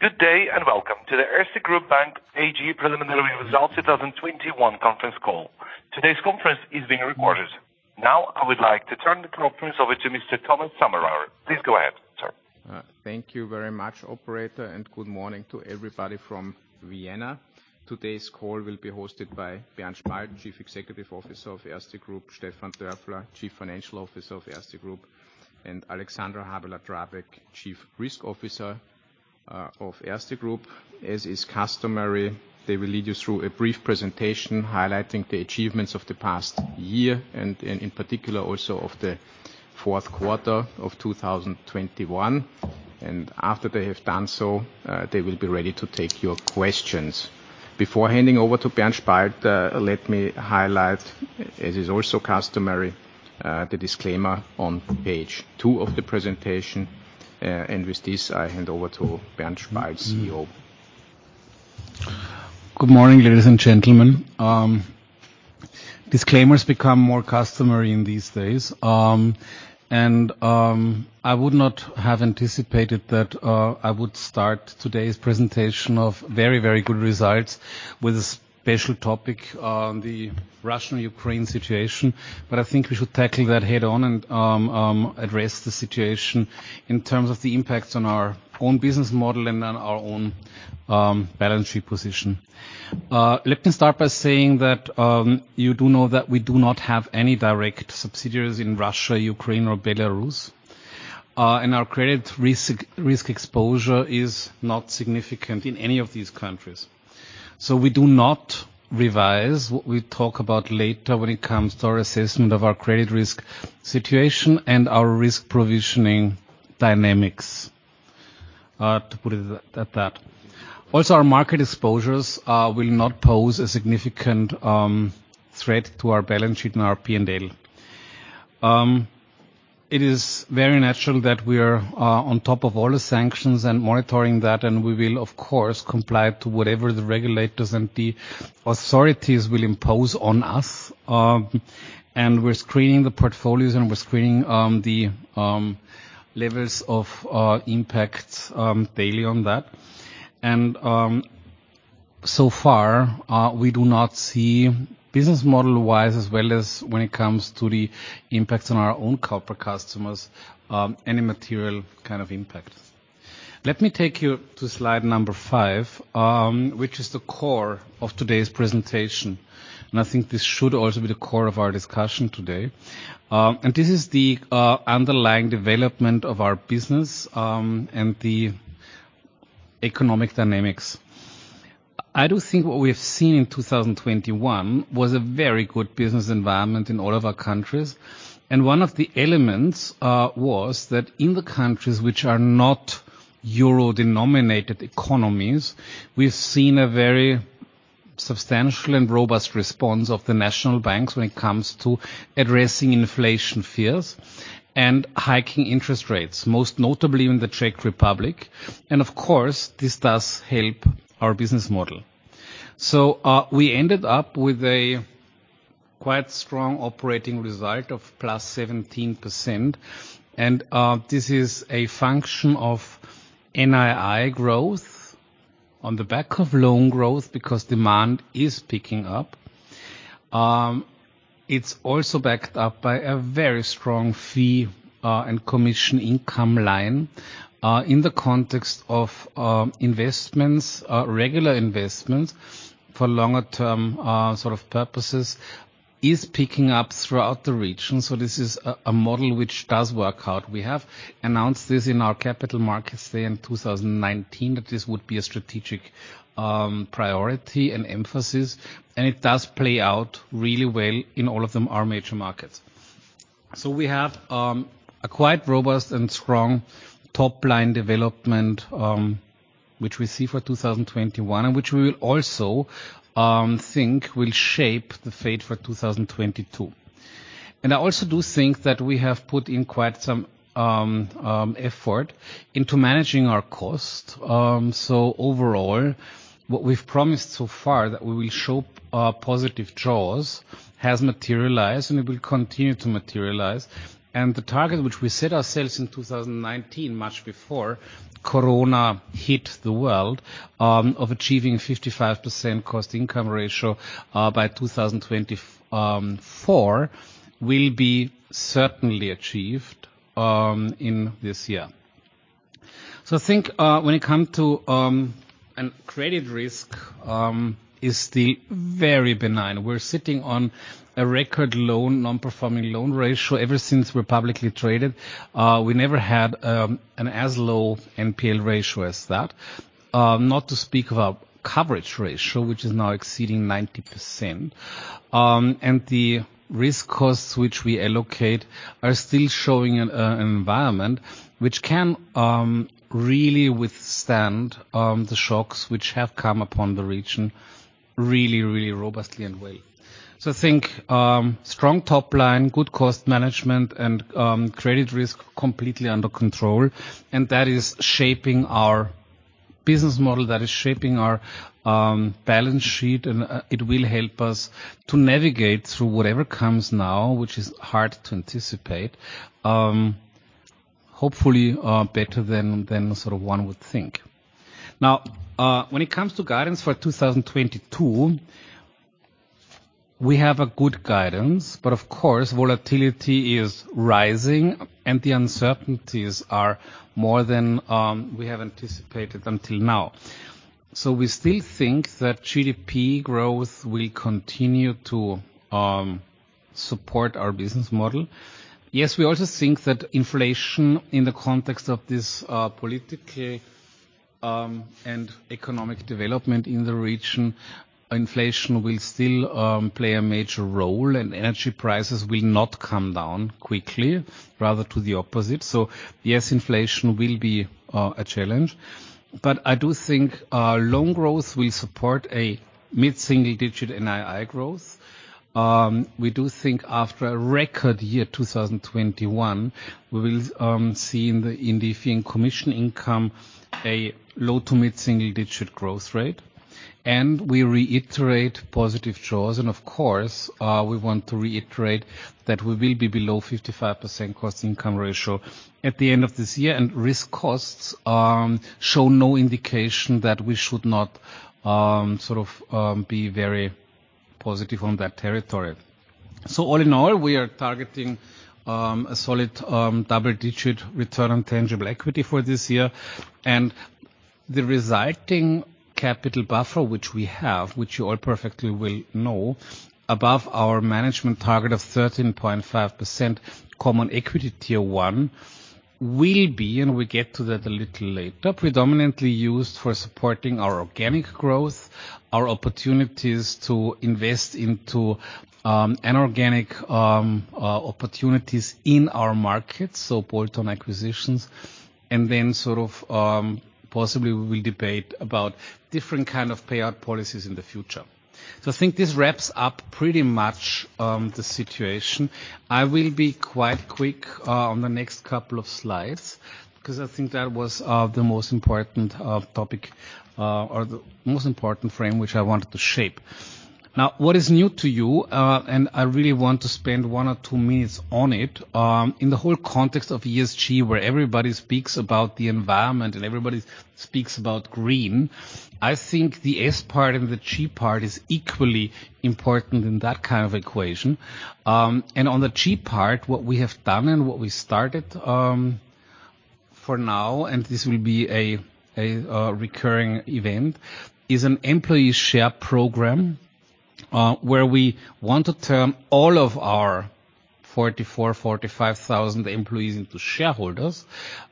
Good day and welcome to the Erste Group Bank AG preliminary results 2021 conference call. Today's conference is being recorded. Now, I would like to turn the conference over to Mr. Thomas Sommerauer. Please go ahead, sir. Thank you very much operator, and good morning to everybody from Vienna. Today's call will be hosted by Bernhard Spalt, Chief Executive Officer of Erste Group, Stefan Dörfler, Chief Financial Officer of Erste Group, and Alexandra Habeler-Drabek, Chief Risk Officer of Erste Group. As is customary, they will lead you through a brief presentation highlighting the achievements of the past year and in particular also of the fourth quarter of 2021. After they have done so, they will be ready to take your questions. Before handing over to Bernhard Spalt, let me highlight, as is also customary, the disclaimer on page two of the presentation. With this, I hand over to Bernhard Spalt, CEO. Good morning, ladies and gentlemen. Disclaimers become more customary in these days. I would not have anticipated that I would start today's presentation of very, very good results with a special topic on the Russia and Ukraine situation. I think we should tackle that head-on and address the situation in terms of the impacts on our own business model and on our own balance sheet position. Let me start by saying that you do know that we do not have any direct subsidiaries in Russia, Ukraine, or Belarus. Our credit risk exposure is not significant in any of these countries. We do not revise what we talk about later when it comes to our assessment of our credit risk situation and our risk provisioning dynamics, to put it at that. Also, our market exposures will not pose a significant threat to our balance sheet and our P&L. It is very natural that we are on top of all the sanctions and monitoring that, and we will of course comply to whatever the regulators and the authorities will impose on us. We're screening the portfolios and the levels of impact daily on that. So far, we do not see business model-wise as well as when it comes to the impacts on our own corporate customers any material kind of impact. Let me take you to slide number five, which is the core of today's presentation, and I think this should also be the core of our discussion today. This is the underlying development of our business and the economic dynamics. I do think what we have seen in 2021 was a very good business environment in all of our countries. One of the elements was that in the countries which are not euro-denominated economies, we've seen a very substantial and robust response of the national banks when it comes to addressing inflation fears and hiking interest rates, most notably in the Czech Republic. Of course, this does help our business model. We ended up with a quite strong operating result of +17%. This is a function of NII growth on the back of loan growth because demand is picking up. It's also backed up by a very strong fee and commission income line in the context of investments, regular investments for longer-term sort of purposes, is picking up throughout the region. This is a model which does work out. We have announced this in our Capital Markets Day in 2019, that this would be a strategic priority and emphasis, and it does play out really well in all of them, our major markets. We have a quite robust and strong top-line development, which we see for 2021, and which we will also think will shape the fate for 2022. I also do think that we have put in quite some effort into managing our cost. Overall, what we've promised so far that we will show positive jaws has materialized, and it will continue to materialize. The target which we set ourselves in 2019, much before Corona hit the world, of achieving 55% cost income ratio by 2024 will be certainly achieved in this year. I think when it comes to credit risk it is still very benign. We're sitting on a record low non-performing loan ratio ever since we're publicly traded. We never had an as low NPL ratio as that. Not to speak of our coverage ratio, which is now exceeding 90%. The risk costs which we allocate are still showing an environment which can really withstand the shocks which have come upon the region really robustly and well. I think strong top line, good cost management and credit risk completely under control, and that is shaping our business model, that is shaping our balance sheet. It will help us to navigate through whatever comes now, which is hard to anticipate, hopefully better than sort of one would think. Now, when it comes to guidance for 2022. We have a good guidance, but of course, volatility is rising and the uncertainties are more than we have anticipated until now. We still think that GDP growth will continue to support our business model. Yes, we also think that inflation in the context of this, politically and economic development in the region, inflation will still play a major role, and energy prices will not come down quickly, rather to the opposite. Yes, inflation will be a challenge. I do think our loan growth will support a mid-single digit NII growth. We do think after a record year, 2021, we will see in the fee and commission income a low to mid-single digit growth rate. We reiterate positive jaws. Of course, we want to reiterate that we will be below 55% cost-to-income ratio at the end of this year. Risk costs show no indication that we should not sort of be very positive on that territory. All in all, we are targeting a solid double digit return on tangible equity for this year. The resulting capital buffer, which we have, which you all perfectly will know, above our management target of 13.5% Common Equity Tier 1 will be, and we get to that a little later, predominantly used for supporting our organic growth, our opportunities to invest into inorganic opportunities in our markets, so bolt-on acquisitions. Then, sort of, possibly we will debate about different kind of payout policies in the future. I think this wraps up pretty much the situation. I will be quite quick on the next couple of slides because I think that was the most important topic or the most important frame which I wanted to shape. Now, what is new to you, and I really want to spend one or two minutes on it. In the whole context of ESG, where everybody speaks about the environment and everybody speaks about green, I think the S part and the G part is equally important in that kind of equation. On the G part, what we have done and what we started, for now, and this will be a recurring event, is an employee share program, where we want to turn all of our 44,000-45,000 employees into shareholders.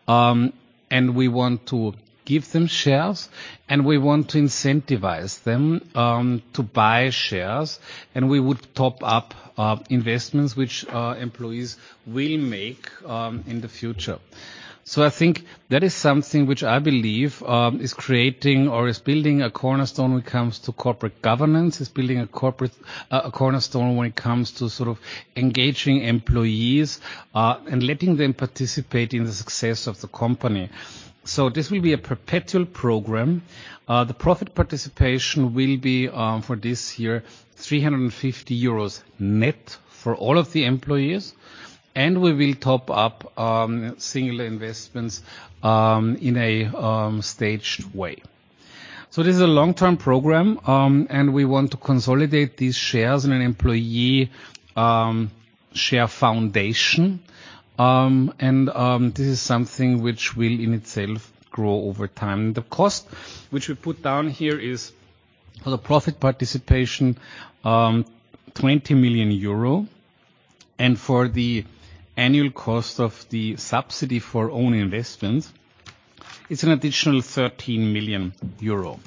We want to give them shares, and we want to incentivize them to buy shares, and we would top up investments which employees will make in the future. I think that is something which I believe is creating or is building a cornerstone when it comes to corporate governance. It's building a corporate cornerstone when it comes to sort of engaging employees and letting them participate in the success of the company. This will be a perpetual program. The profit participation will be for this year, 350 euros net for all of the employees, and we will top up single investments in a staged way. This is a long-term program, and we want to consolidate these shares in an employee share foundation. This is something which will in itself grow over time. The cost which we put down here is for the profit participation 20 million euro. For the annual cost of the subsidy for own investments, it's an additional 13 million euro.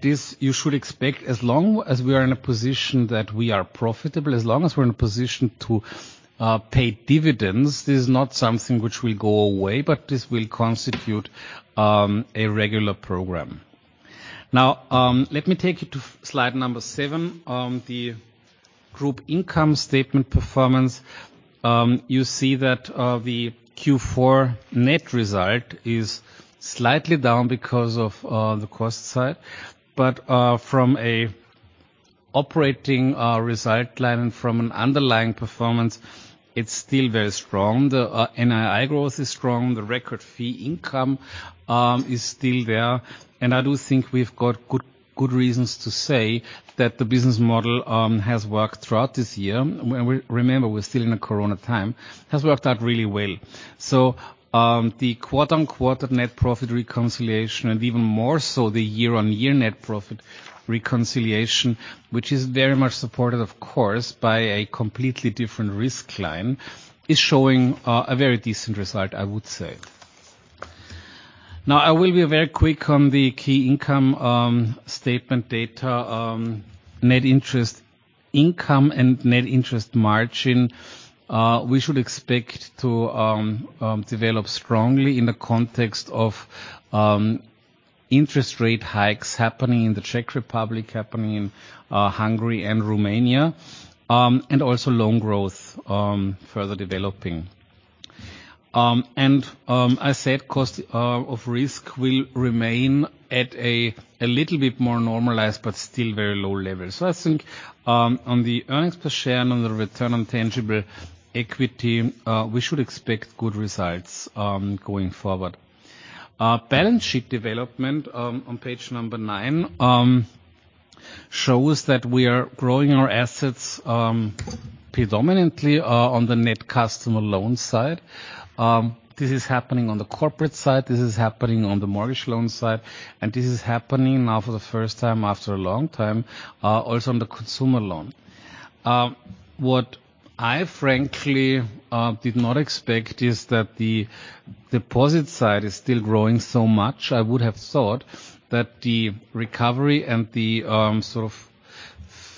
This you should expect, as long as we are in a position that we are profitable, as long as we're in a position to pay dividends, this is not something which will go away, but this will constitute a regular program. Now, let me take you to slide number seven, the group income statement performance. You see that the Q4 net result is slightly down because of the cost side. From an operating result line and from an underlying performance, it's still very strong. The NII growth is strong, the record fee income is still there. I do think we've got good reasons to say that the business model has worked throughout this year. Remember, we're still in a Corona time, has worked out really well. The quarter-on-quarter net profit reconciliation, and even more so the year-on-year net profit reconciliation, which is very much supported, of course, by a completely different risk line, is showing a very decent result, I would say. Now, I will be very quick on the key income statement data. Net interest income and net interest margin, we should expect to develop strongly in the context of interest rate hikes happening in the Czech Republic, happening in Hungary and Romania, and also loan growth further developing. I said cost of risk will remain at a little bit more normalized but still very low level. I think on the earnings per share and on the return on tangible equity, we should expect good results, going forward. Balance sheet development on page 9 shows that we are growing our assets, predominantly on the net customer loan side. This is happening on the corporate side, this is happening on the mortgage loan side, and this is happening now for the first time after a long time, also on the consumer loan. What I frankly did not expect is that the deposit side is still growing so much. I would have thought that the recovery and the sort of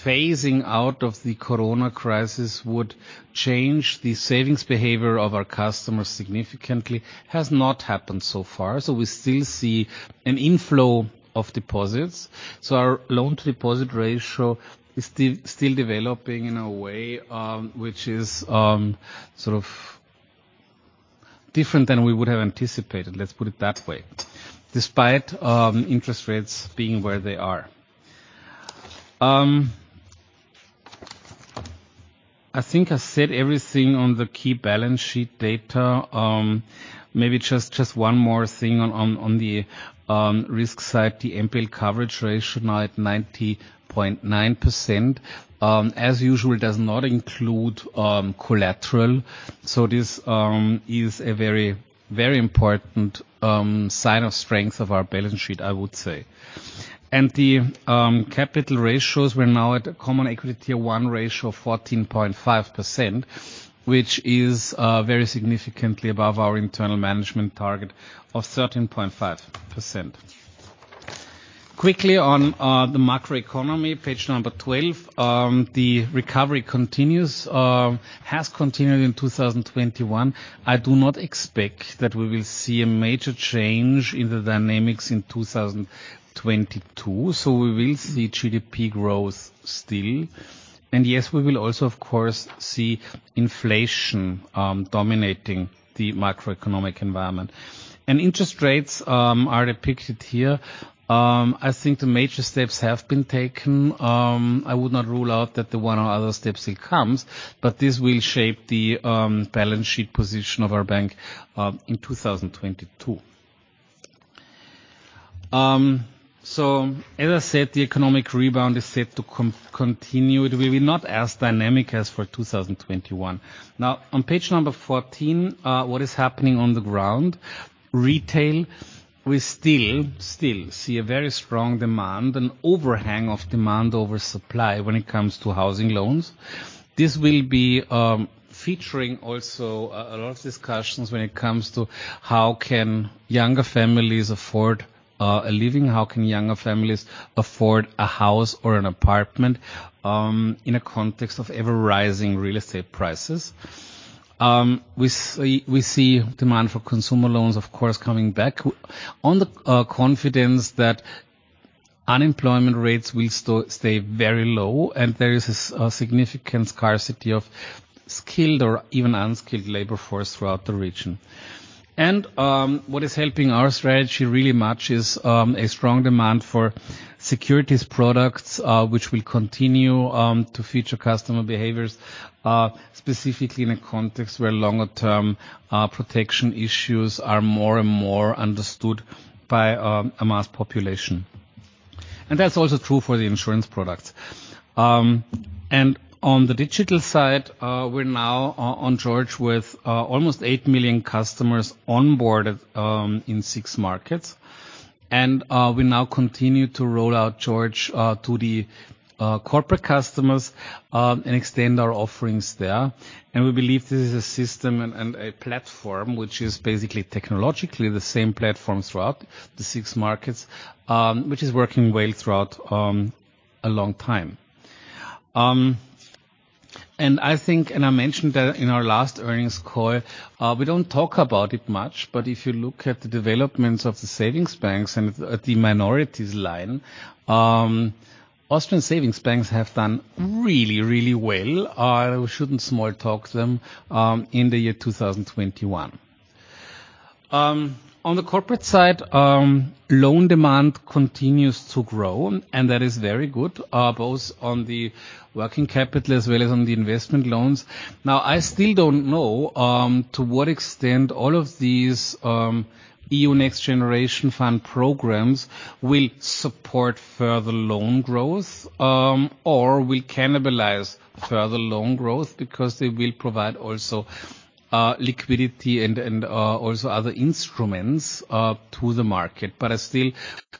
phasing out of the COVID crisis would change the savings behavior of our customers significantly. Has not happened so far, so we still see an inflow of deposits. Our loan-to-deposit ratio is still developing in a way which is sort of different than we would have anticipated, let's put it that way, despite interest rates being where they are. I think I said everything on the key balance sheet data. Maybe just one more thing on the risk side. The NPL coverage ratio now at 90.9%, as usual, does not include collateral. This is a very important sign of strength of our balance sheet, I would say. The capital ratios. We're now at a CET1 ratio of 14.5%, which is very significantly above our internal management target of 13.5%. Quickly on the macroeconomy, page 12. The recovery continues, has continued in 2021. I do not expect that we will see a major change in the dynamics in 2022. We will see GDP growth still. Yes, we will also, of course, see inflation dominating the macroeconomic environment. Interest rates are depicted here. I think the major steps have been taken. I would not rule out that the one or other steps it comes, but this will shape the balance sheet position of our bank in 2022. As I said, the economic rebound is set to continue. It will be not as dynamic as for 2021. Now on page 14, what is happening on the ground. Retail, we still see a very strong demand, an overhang of demand over supply when it comes to housing loans. This will be featuring also a lot of discussions when it comes to how can younger families afford a living, how can younger families afford a house or an apartment, in a context of ever-rising real estate prices. We see demand for consumer loans, of course, coming back on the confidence that unemployment rates will stay very low, and there is a significant scarcity of skilled or even unskilled labor force throughout the region. What is helping our strategy really much is a strong demand for securities products, which will continue to shape future customer behaviors, specifically in a context where longer-term protection issues are more and more understood by a mass population. That's also true for the insurance products. On the digital side, we're now on George with almost 8 million customers onboarded in six markets. We now continue to roll out George to the corporate customers and extend our offerings there. We believe this is a system and a platform which is basically technologically the same platform throughout the six markets, which is working well throughout a long time. I think I mentioned that in our last earnings call. We don't talk about it much, but if you look at the developments of the savings banks and at the minorities line, Austrian savings banks have done really well. We shouldn't sell them short in the year 2021. On the corporate side, loan demand continues to grow, and that is very good, both on the working capital as well as on the investment loans. Now, I still don't know to what extent all of these NextGenerationEU programs will support further loan growth or will cannibalize further loan growth because they will provide also liquidity and also other instruments to the market. I still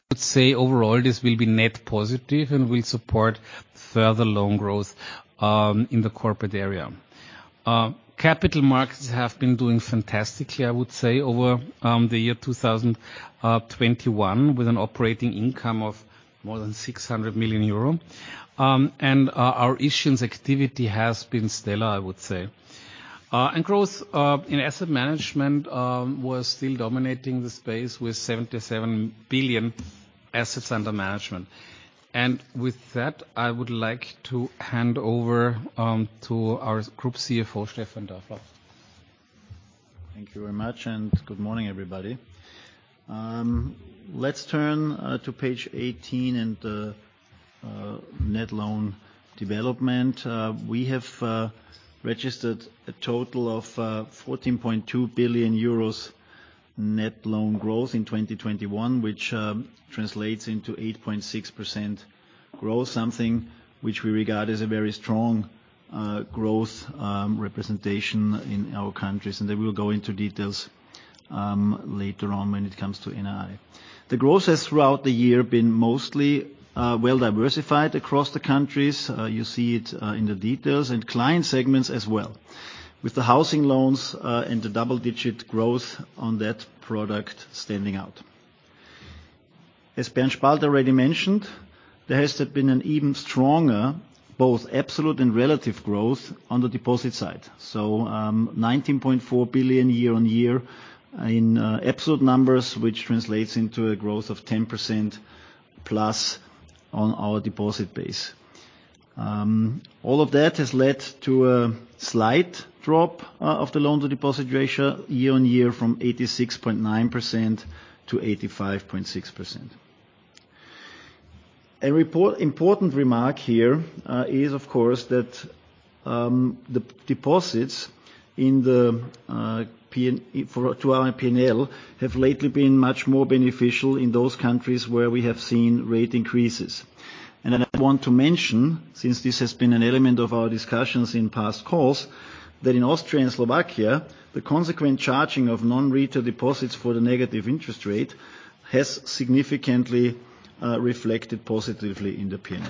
could say overall this will be net positive and will support further loan growth in the corporate area. Capital markets have been doing fantastically, I would say, over the year 2021, with an operating income of more than 600 million euro. Our issuance activity has been stellar, I would say. Growth in asset management was still dominating the space with 77 billion assets under management. With that, I would like to hand over to our Group CFO, Stefan Dörfler. Thank you very much, and good morning, everybody. Let's turn to page eighteen and net loan development. We have registered a total of 14.2 billion euros net loan growth in 2021, which translates into 8.6% growth, something which we regard as a very strong growth representation in our countries, and then we will go into details later on when it comes to NII. The growth has, throughout the year, been mostly well-diversified across the countries, you see it in the details and client segments as well, with the housing loans and the double-digit growth on that product standing out. As Bernhard Spalt already mentioned, there has to have been an even stronger, both absolute and relative growth on the deposit side. Nineteen point four billion year-on-year in absolute numbers, which translates into a growth of 10% plus on our deposit base. All of that has led to a slight drop of the loan-to-deposit ratio year-on-year from 86.9% to 85.6%. An important remark here is of course that the deposits to our P&L have lately been much more beneficial in those countries where we have seen rate increases. I want to mention, since this has been an element of our discussions in past calls, that in Austria and Slovakia, the consequent charging of non-retail deposits for the negative interest rate has significantly reflected positively in the P&L.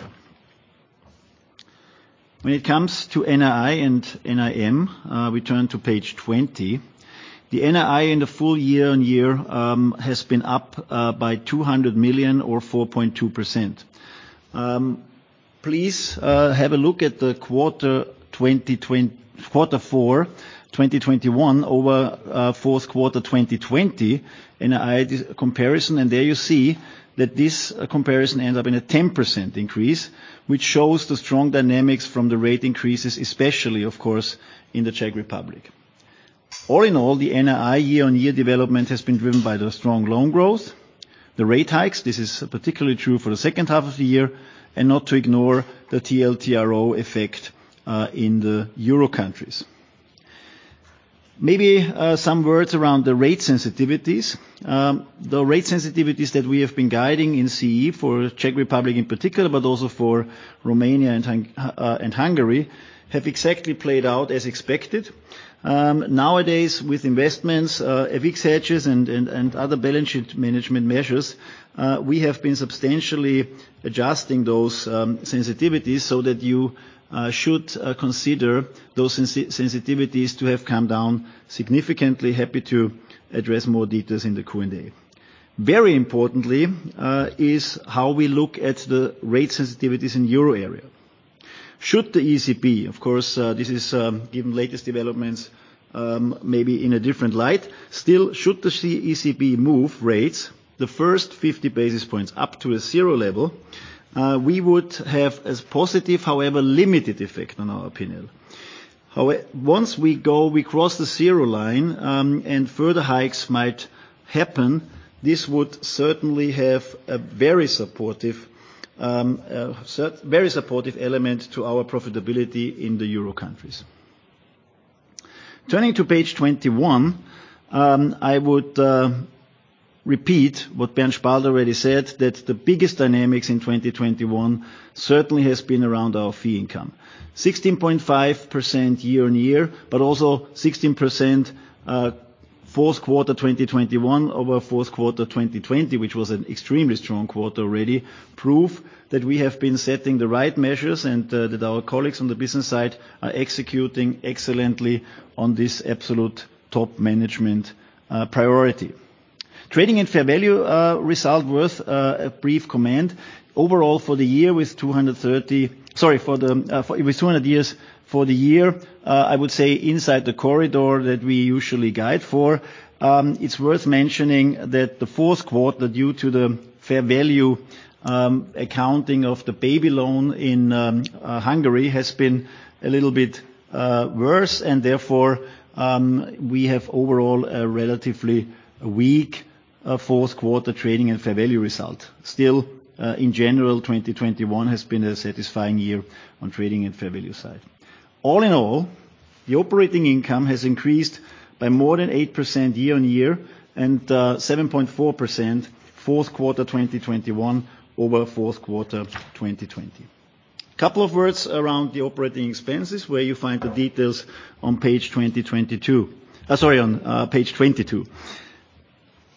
When it comes to NII and NIM, we turn to page 20. The NII in the full year-on-year has been up by 200 million or 4.2%. Please have a look at the quarter four 2021 over fourth quarter 2020 NII comparison, and there you see that this comparison ends up in a 10% increase, which shows the strong dynamics from the rate increases, especially, of course, in the Czech Republic. All in all, the NII year-on-year development has been driven by the strong loan growth, the rate hikes, this is particularly true for the second half of the year, and not to ignore the TLTRO effect in the euro countries. Maybe some words around the rate sensitivities. The rate sensitivities that we have been guiding in CE for Czech Republic in particular, but also for Romania and Hungary, have exactly played out as expected. Nowadays, with investments, FX hedges and other balance sheet management measures, we have been substantially adjusting those sensitivities so that you should consider those sensitivities to have come down significantly. Happy to address more details in the Q&A. Very importantly, is how we look at the rate sensitivities in euro area. Should the ECB, of course, given latest developments, maybe in a different light. Still, should the ECB move rates the first 50 basis points up to a zero level, we would have a positive, however, limited effect on our P&L. Once we go, we cross the zero line, and further hikes might happen, this would certainly have a very supportive element to our profitability in the euro countries. Turning to page 21, I would repeat what Bernhard Spalt already said, that the biggest dynamics in 2021 certainly has been around our fee income. 16.5% year-on-year, but also 16%, fourth quarter 2021 over fourth quarter 2020, which was an extremely strong quarter already, prove that we have been setting the right measures and that our colleagues on the business side are executing excellently on this absolute top management priority. Trading and fair value result worth a brief comment. Overall, for the year with 230. Sorry, for the year, I would say inside the corridor that we usually guide for. It's worth mentioning that the fourth quarter, due to the fair value accounting of the baby loan in Hungary, has been a little bit worse, and therefore, we have overall a relatively weak fourth quarter trading and fair value result. Still, in general, 2021 has been a satisfying year on trading and fair value side. All in all, the operating income has increased by more than 8% year-on-year and 7.4% fourth quarter 2021 over fourth quarter 2020. Couple of words around the operating expenses, where you find the details on page 22. Sorry, on page 22.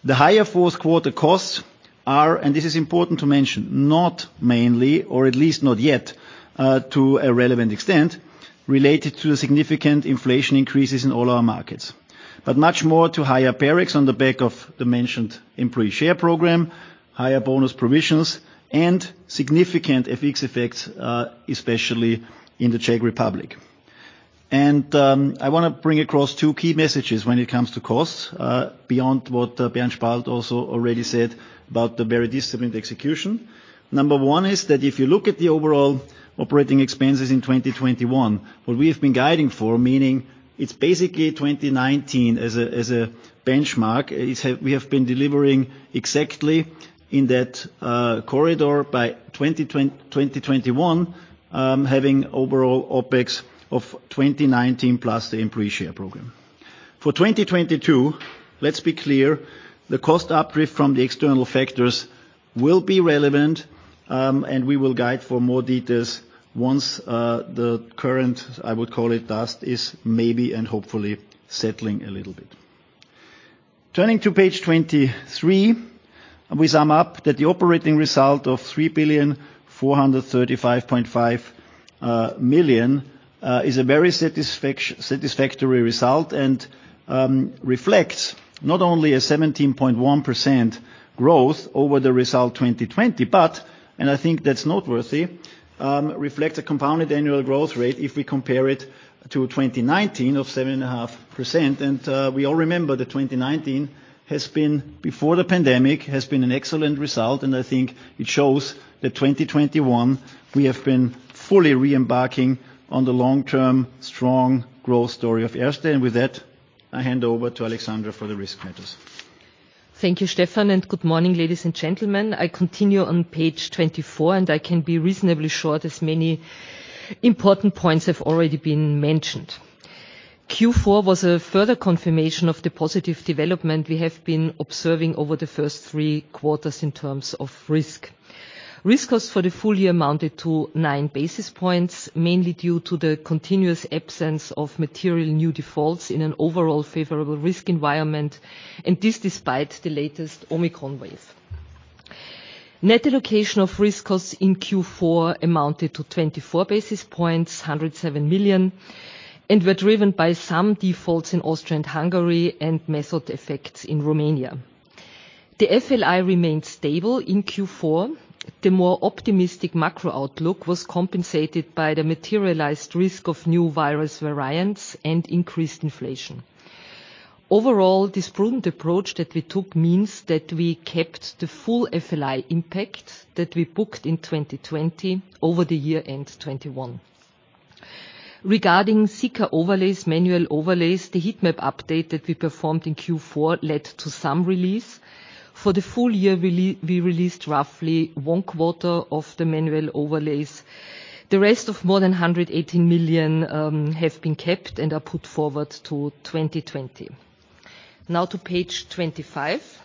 The higher fourth quarter costs are, and this is important to mention, not mainly or at least not yet, to a relevant extent, related to the significant inflation increases in all our markets. Much more to higher paychecks on the back of the mentioned employee share program, higher bonus provisions, and significant FX effects, especially in the Czech Republic. I wanna bring across two key messages when it comes to costs, beyond what, Bernhard Spalt also already said about the very disciplined execution. Number one is that if you look at the overall operating expenses in 2021, what we have been guiding for, meaning it's basically 2019 as a benchmark, is we have been delivering exactly in that corridor by 2021, having overall OpEx of 2019 plus the employee share program. For 2022, let's be clear, the cost uplift from the external factors will be relevant, and we will guide for more details once the current, I would call it dust, is maybe and hopefully settling a little bit. Turning to page 23, we sum up that the operating result of 3,435.5 million is a very satisfactory result and reflects not only a 17.1% growth over the result 2020, but and I think that's noteworthy reflects a compounded annual growth rate if we compare it to 2019 of 7.5%. We all remember that 2019, before the pandemic, has been an excellent result, and I think it shows that 2021 we have been fully re-embarking on the long-term strong growth story of Erste. With that, I hand over to Alexandra for the risk matters. Thank you, Stefan, and good morning, ladies and gentlemen. I continue on page 24, and I can be reasonably short as many important points have already been mentioned. Q4 was a further confirmation of the positive development we have been observing over the first three quarters in terms of risk. Risk cost for the full year amounted to 9 basis points, mainly due to the continuous absence of material new defaults in an overall favorable risk environment, and this despite the latest Omicron wave. Net allocation of risk costs in Q4 amounted to 24 basis points, 107 million, and were driven by some defaults in Austria and Hungary and method effects in Romania. The FLI remained stable in Q4. The more optimistic macro outlook was compensated by the materialized risk of new virus variants and increased inflation. Overall, this prudent approach that we took means that we kept the full FLI impact that we booked in 2020 over the year-end 2021. Regarding SICR overlays, manual overlays, the heat map update that we performed in Q4 led to some release. For the full year we released roughly one quarter of the manual overlays. The rest of more than 118 million have been kept and are put forward to 2020. Now to page 25.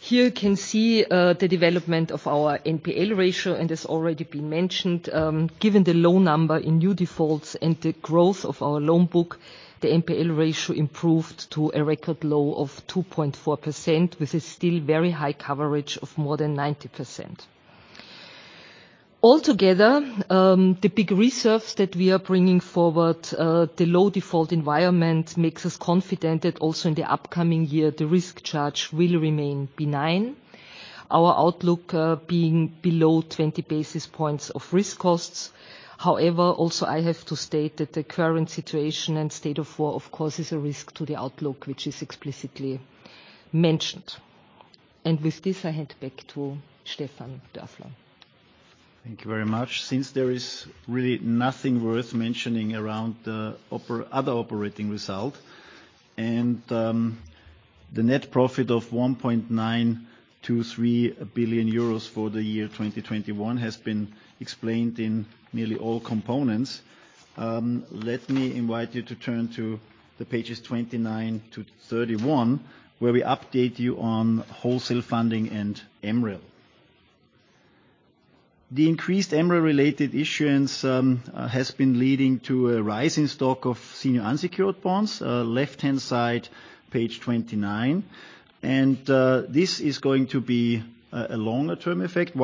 Here you can see the development of our NPL ratio, and it's already been mentioned, given the low number in new defaults and the growth of our loan book, the NPL ratio improved to a record low of 2.4%, with a still very high coverage of more than 90%. Altogether, the big reserves that we are bringing forward, the low default environment makes us confident that also in the upcoming year the risk charge will remain benign. Our outlook, being below 20 basis points of risk costs. However, also I have to state that the current situation and state of war, of course, is a risk to the outlook, which is explicitly mentioned. With this, I hand back to Stefan Dörfler. Thank you very much. Since there is really nothing worth mentioning around the other operating result, and the net profit of 1.923 billion euros for the year 2021 has been explained in nearly all components, let me invite you to turn to the pages 29 to 31, where we update you on wholesale funding and MREL. The increased MREL-related issuance has been leading to a rise in stock of senior unsecured bonds, left-hand side, page 29. This is going to be a longer-term effect,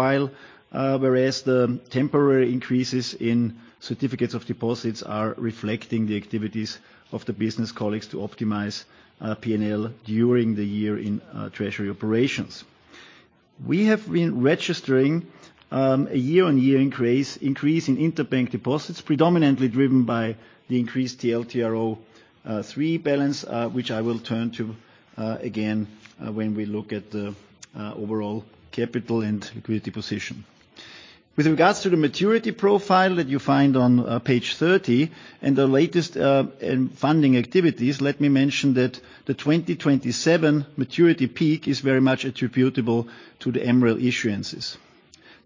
whereas the temporary increases in certificates of deposit are reflecting the activities of the business colleagues to optimize P&L during the year in treasury operations. We have been registering a year-on-year increase in interbank deposits, predominantly driven by the increased TLTRO III balance, which I will turn to again when we look at the overall capital and liquidity position. With regards to the maturity profile that you find on page 30 and the latest in funding activities, let me mention that the 2027 maturity peak is very much attributable to the MREL issuances.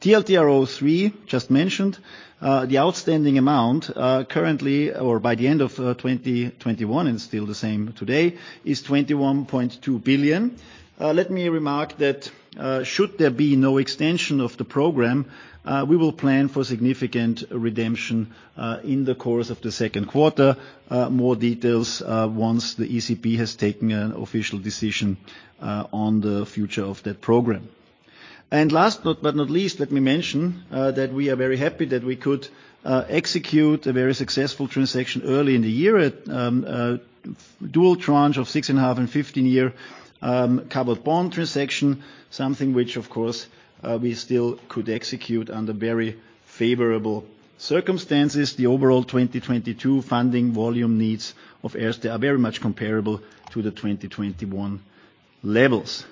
TLTRO III, just mentioned, the outstanding amount currently or by the end of 2021, and still the same today, is 21.2 billion. Let me remark that should there be no extension of the program, we will plan for significant redemption in the course of the second quarter. More details once the ECB has taken an official decision on the future of that program. Last but not least, let me mention that we are very happy that we could execute a very successful transaction early in the year, a dual tranche of 6.5- and 15-year covered bond transaction, something which, of course, we still could execute under very favorable circumstances. The overall 2022 funding volume needs of Erste are very much comparable to the 2021 levels.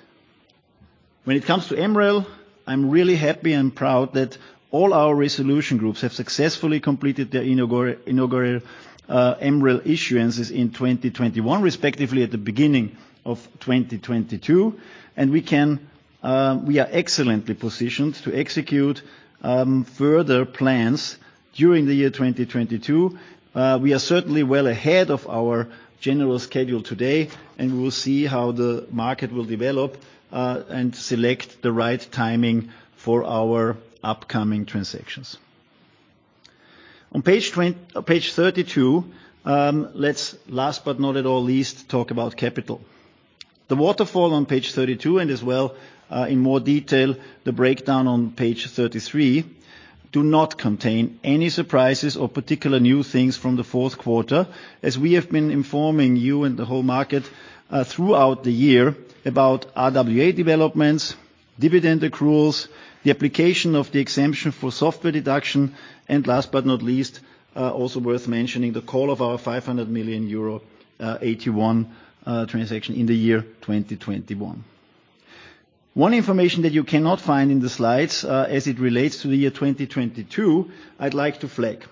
When it comes to MREL, I'm really happy and proud that all our resolution groups have successfully completed their inaugural MREL issuances in 2021, respectively at the beginning of 2022, and we are excellently positioned to execute further plans during the year 2022. We are certainly well ahead of our general schedule today, and we will see how the market will develop, and select the right timing for our upcoming transactions. On page 32, let's, last but not least, talk about capital. The waterfall on page 32 and as well, in more detail, the breakdown on page 33 do not contain any surprises or particular new things from the fourth quarter as we have been informing you and the whole market, throughout the year about RWA developments, dividend accruals, the application of the exemption for software deduction, and last but not least, also worth mentioning, the call of our 500 million euro AT1 transaction in the year 2021. One information that you cannot find in the slides, as it relates to the year 2022, I'd like to flag.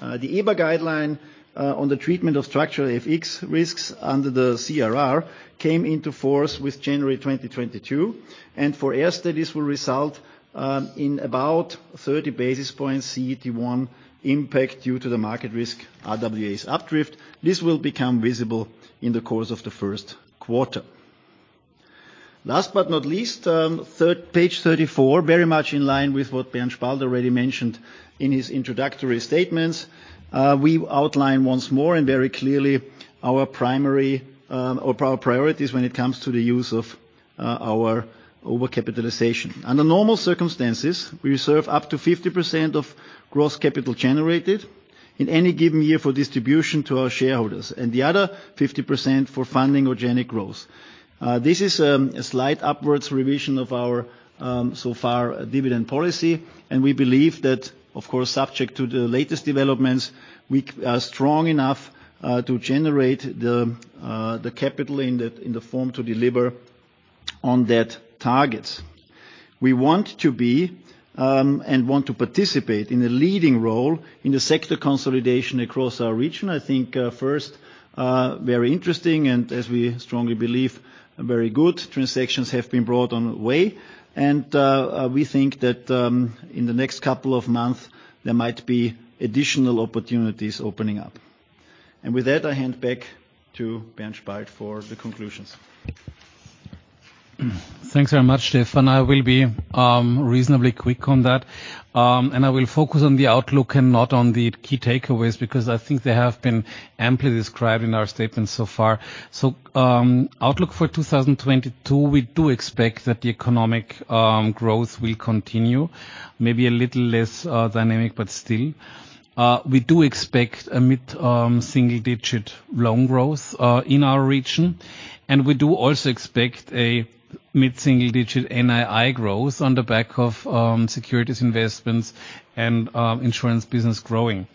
The EBA guideline on the treatment of structural FX risks under the CRR came into force with January 2022, and for Erste this will result in about 30 basis points CET1 impact due to the market risk RWAs updrift. This will become visible in the course of the first quarter. Last but not least, page 34, very much in line with what Bernhard Spalt already mentioned in his introductory statements. We outline once more and very clearly our primary, or our priorities when it comes to the use of our overcapitalization. Under normal circumstances, we reserve up to 50% of gross capital generated in any given year for distribution to our shareholders, and the other 50% for funding organic growth. This is a slight upward revision of our so far dividend policy, and we believe that, of course, subject to the latest developments, we are strong enough to generate the capital in the form to deliver on that target. We want to be and want to participate in a leading role in the sector consolidation across our region. I think first very interesting and as we strongly believe very good transactions have been brought our way. We think that in the next couple of months, there might be additional opportunities opening up. With that, I hand back to Bernhard Spalt for the conclusions. Thanks very much, Stefan. I will be reasonably quick on that. I will focus on the outlook and not on the key takeaways because I think they have been amply described in our statements so far. Outlook for 2022, we do expect that the economic growth will continue, maybe a little less dynamic, but still. We expect a mid-single-digit loan growth in our region. We also expect a mid-single-digit NII growth on the back of securities investments and insurance business growing.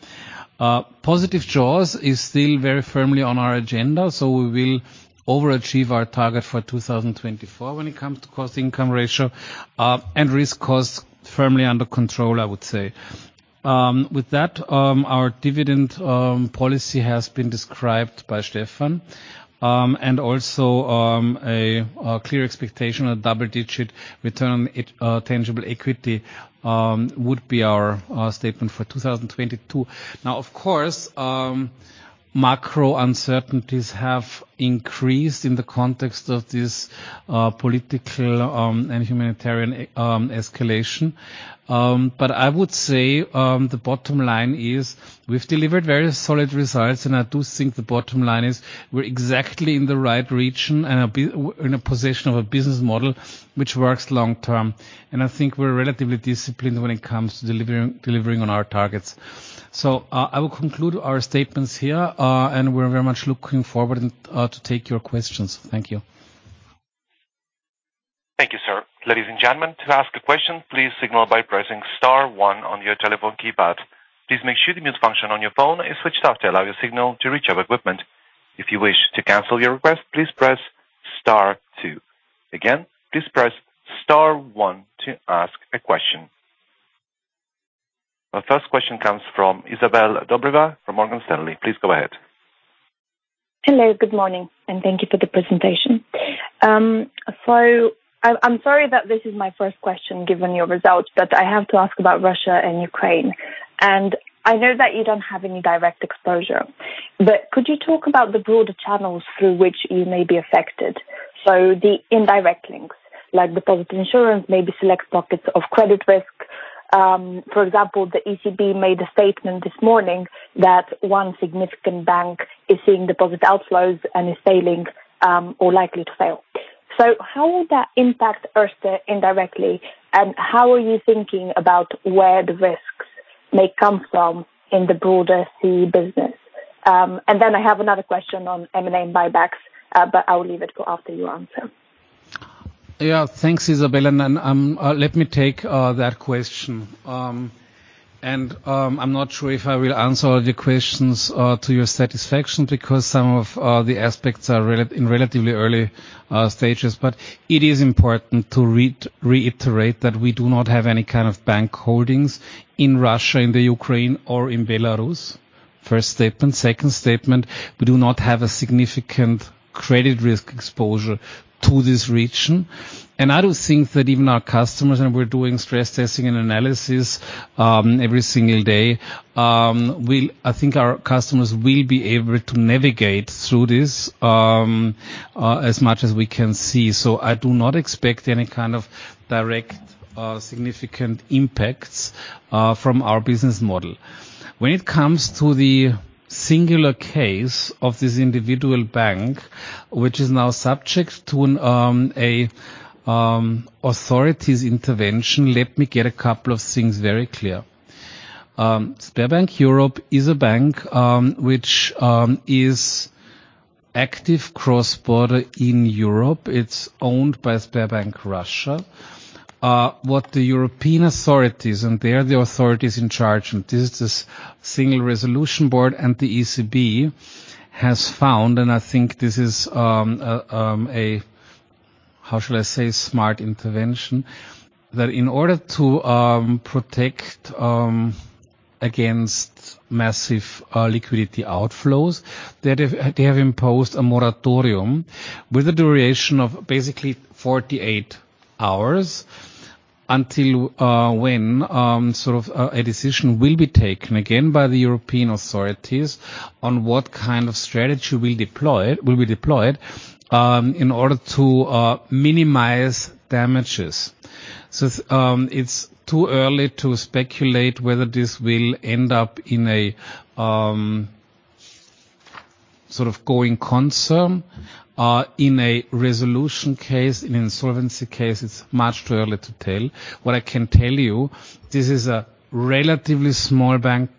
Positive jaws is still very firmly on our agenda, so we will overachieve our target for 2024 when it comes to cost-to-income ratio, and risk costs firmly under control, I would say. With that, our dividend policy has been described by Stefan. Also, a clear expectation of double-digit return on tangible equity would be our statement for 2022. Now, of course, macro uncertainties have increased in the context of this political and humanitarian escalation, but I would say the bottom line is we've delivered very solid results. I do think the bottom line is we're exactly in the right region in a position of a business model which works long-term. I think we're relatively disciplined when it comes to delivering on our targets. I will conclude our statements here, and we're very much looking forward to take your questions. Thank you. Thank you, sir. Ladies and gentlemen, to ask a question, please signal by pressing star one on your telephone keypad. Please make sure the mute function on your phone is switched off to allow your signal to reach our equipment. If you wish to cancel your request, please press star two. Again, please press star one to ask a question. Our first question comes from Magdalena Stoklosa from Morgan Stanley. Please go ahead. Hello, good morning, and thank you for the presentation. I'm sorry that this is my first question given your results, but I have to ask about Russia and Ukraine. I know that you don't have any direct exposure, but could you talk about the broader channels through which you may be affected? The indirect links, like deposit insurance, maybe select pockets of credit risk. For example, the ECB made a statement this morning that one significant bank is seeing deposit outflows and is failing or likely to fail. How will that impact Erste indirectly, and how are you thinking about where the risks may come from in the broader CEE business? I have another question on M&A buybacks, but I will leave it for after you answer. Yeah. Thanks, Magdalena. Let me take that question. I'm not sure if I will answer all the questions to your satisfaction because some of the aspects are relatively early stages. It is important to reiterate that we do not have any kind of bank holdings in Russia, in the Ukraine or in Belarus. First statement. Second statement, we do not have a significant credit risk exposure to this region. I do think that even our customers, and we're doing stress testing and analysis every single day, I think our customers will be able to navigate through this as much as we can see. I do not expect any kind of direct significant impacts from our business model. When it comes to the singular case of this individual bank, which is now subject to an authorities' intervention. Let me get a couple of things very clear. Sberbank Europe is a bank which is active cross-border in Europe. It's owned by Sberbank Russia. What the European authorities, and they are the authorities in charge, and this is Single Resolution Board and the ECB has found, and I think this is a how shall I say, smart intervention, that in order to protect against massive liquidity outflows, they have imposed a moratorium with a duration of basically 48 hours until when sort of a decision will be taken again by the European authorities on what kind of strategy will be deployed in order to minimize damages. It's too early to speculate whether this will end up in a sort of going concern, in a resolution case, in insolvency case. It's much too early to tell. What I can tell you, this is a relatively small bank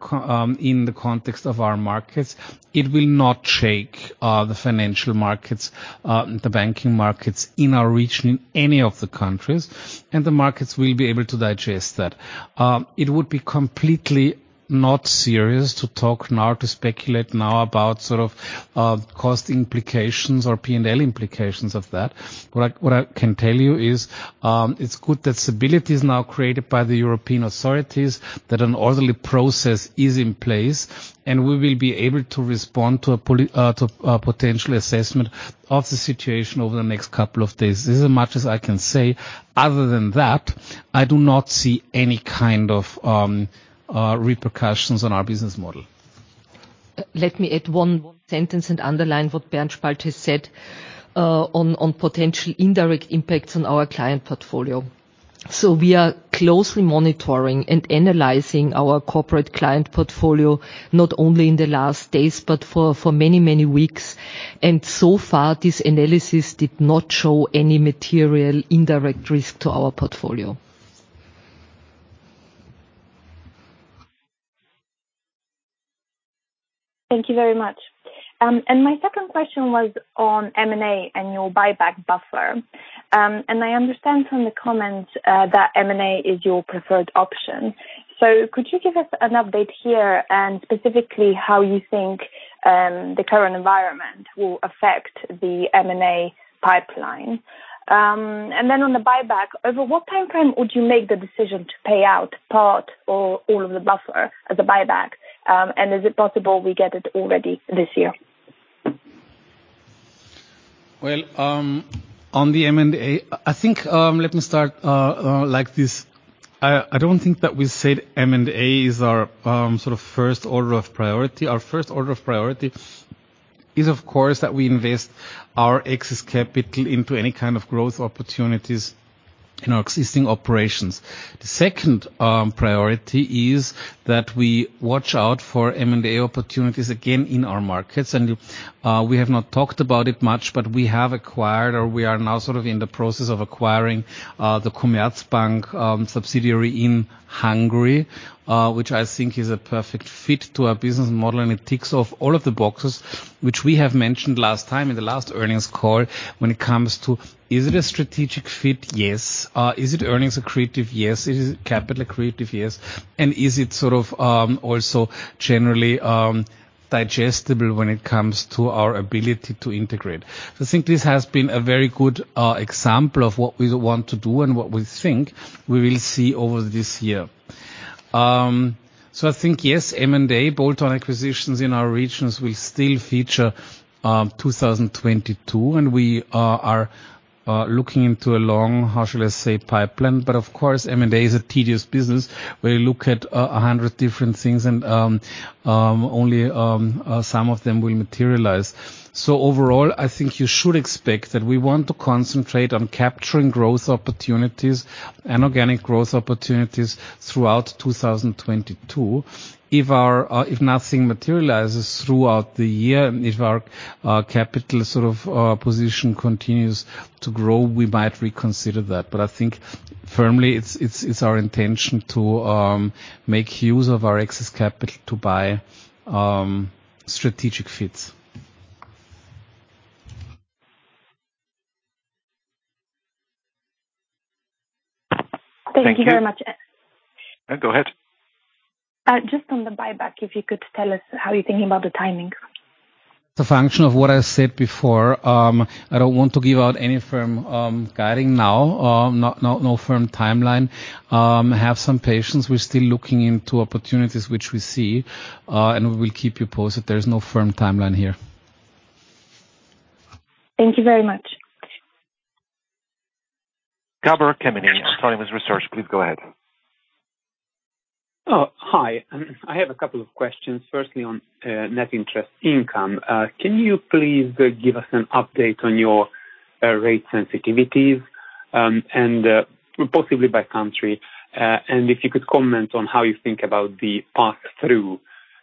in the context of our markets. It will not shake the financial markets, the banking markets in our region, in any of the countries, and the markets will be able to digest that. It would be completely not serious to talk now, to speculate now about sort of cost implications or P&L implications of that. What I can tell you is, it's good that stability is now created by the European authorities, that an orderly process is in place, and we will be able to respond to a potential assessment of the situation over the next couple of days. This is as much as I can say. Other than that, I do not see any kind of repercussions on our business model. Let me add one sentence and underline what Bernhard Spalt has said on potential indirect impacts on our client portfolio. We are closely monitoring and analyzing our corporate client portfolio, not only in the last days, but for many weeks. So far, this analysis did not show any material indirect risk to our portfolio. Thank you very much. My second question was on M&A and your buyback buffer. I understand from the comments that M&A is your preferred option. Could you give us an update here, and specifically how you think the current environment will affect the M&A pipeline? On the buyback, over what time frame would you make the decision to pay out part or all of the buffer as a buyback? Is it possible we get it already this year? Well, on the M&A, I think, let me start like this. I don't think that we said M&A is our sort of first order of priority. Our first order of priority is, of course, that we invest our excess capital into any kind of growth opportunities in our existing operations. The second priority is that we watch out for M&A opportunities again in our markets. We have not talked about it much, but we have acquired or we are now sort of in the process of acquiring the Commerzbank subsidiary in Hungary, which I think is a perfect fit to our business model, and it ticks off all of the boxes, which we have mentioned last time in the last earnings call when it comes to, is it a strategic fit? Yes. Is it earnings accretive? Yes. Is it capital accretive? Yes. Is it sort of also generally digestible when it comes to our ability to integrate. I think this has been a very good example of what we want to do and what we think we will see over this year. I think yes, M&A bolt-on acquisitions in our regions will still feature 2022, and we are looking into a long, how shall I say, pipeline. Of course, M&A is a tedious business, where you look at 100 different things and only some of them will materialize. Overall, I think you should expect that we want to concentrate on capturing growth opportunities and organic growth opportunities throughout 2022. If nothing materializes throughout the year, and if our capital sort of position continues to grow, we might reconsider that. But I think firmly it's our intention to make use of our excess capital to buy strategic fits. Thank you very much. Thank you. No, go ahead. Just on the buyback, if you could tell us how you're thinking about the timing. Following up on what I said before, I don't want to give out any firm guidance now, no firm timeline. Have some patience. We're still looking into opportunities which we see, and we will keep you posted. There is no firm timeline here. Thank you very much. Gabor Kemeny, Autonomous Research. Please go ahead. Oh, hi. I have a couple of questions, firstly on net interest income. Can you please give us an update on your Rate sensitivities, and possibly by country. If you could comment on how you think about the pass-through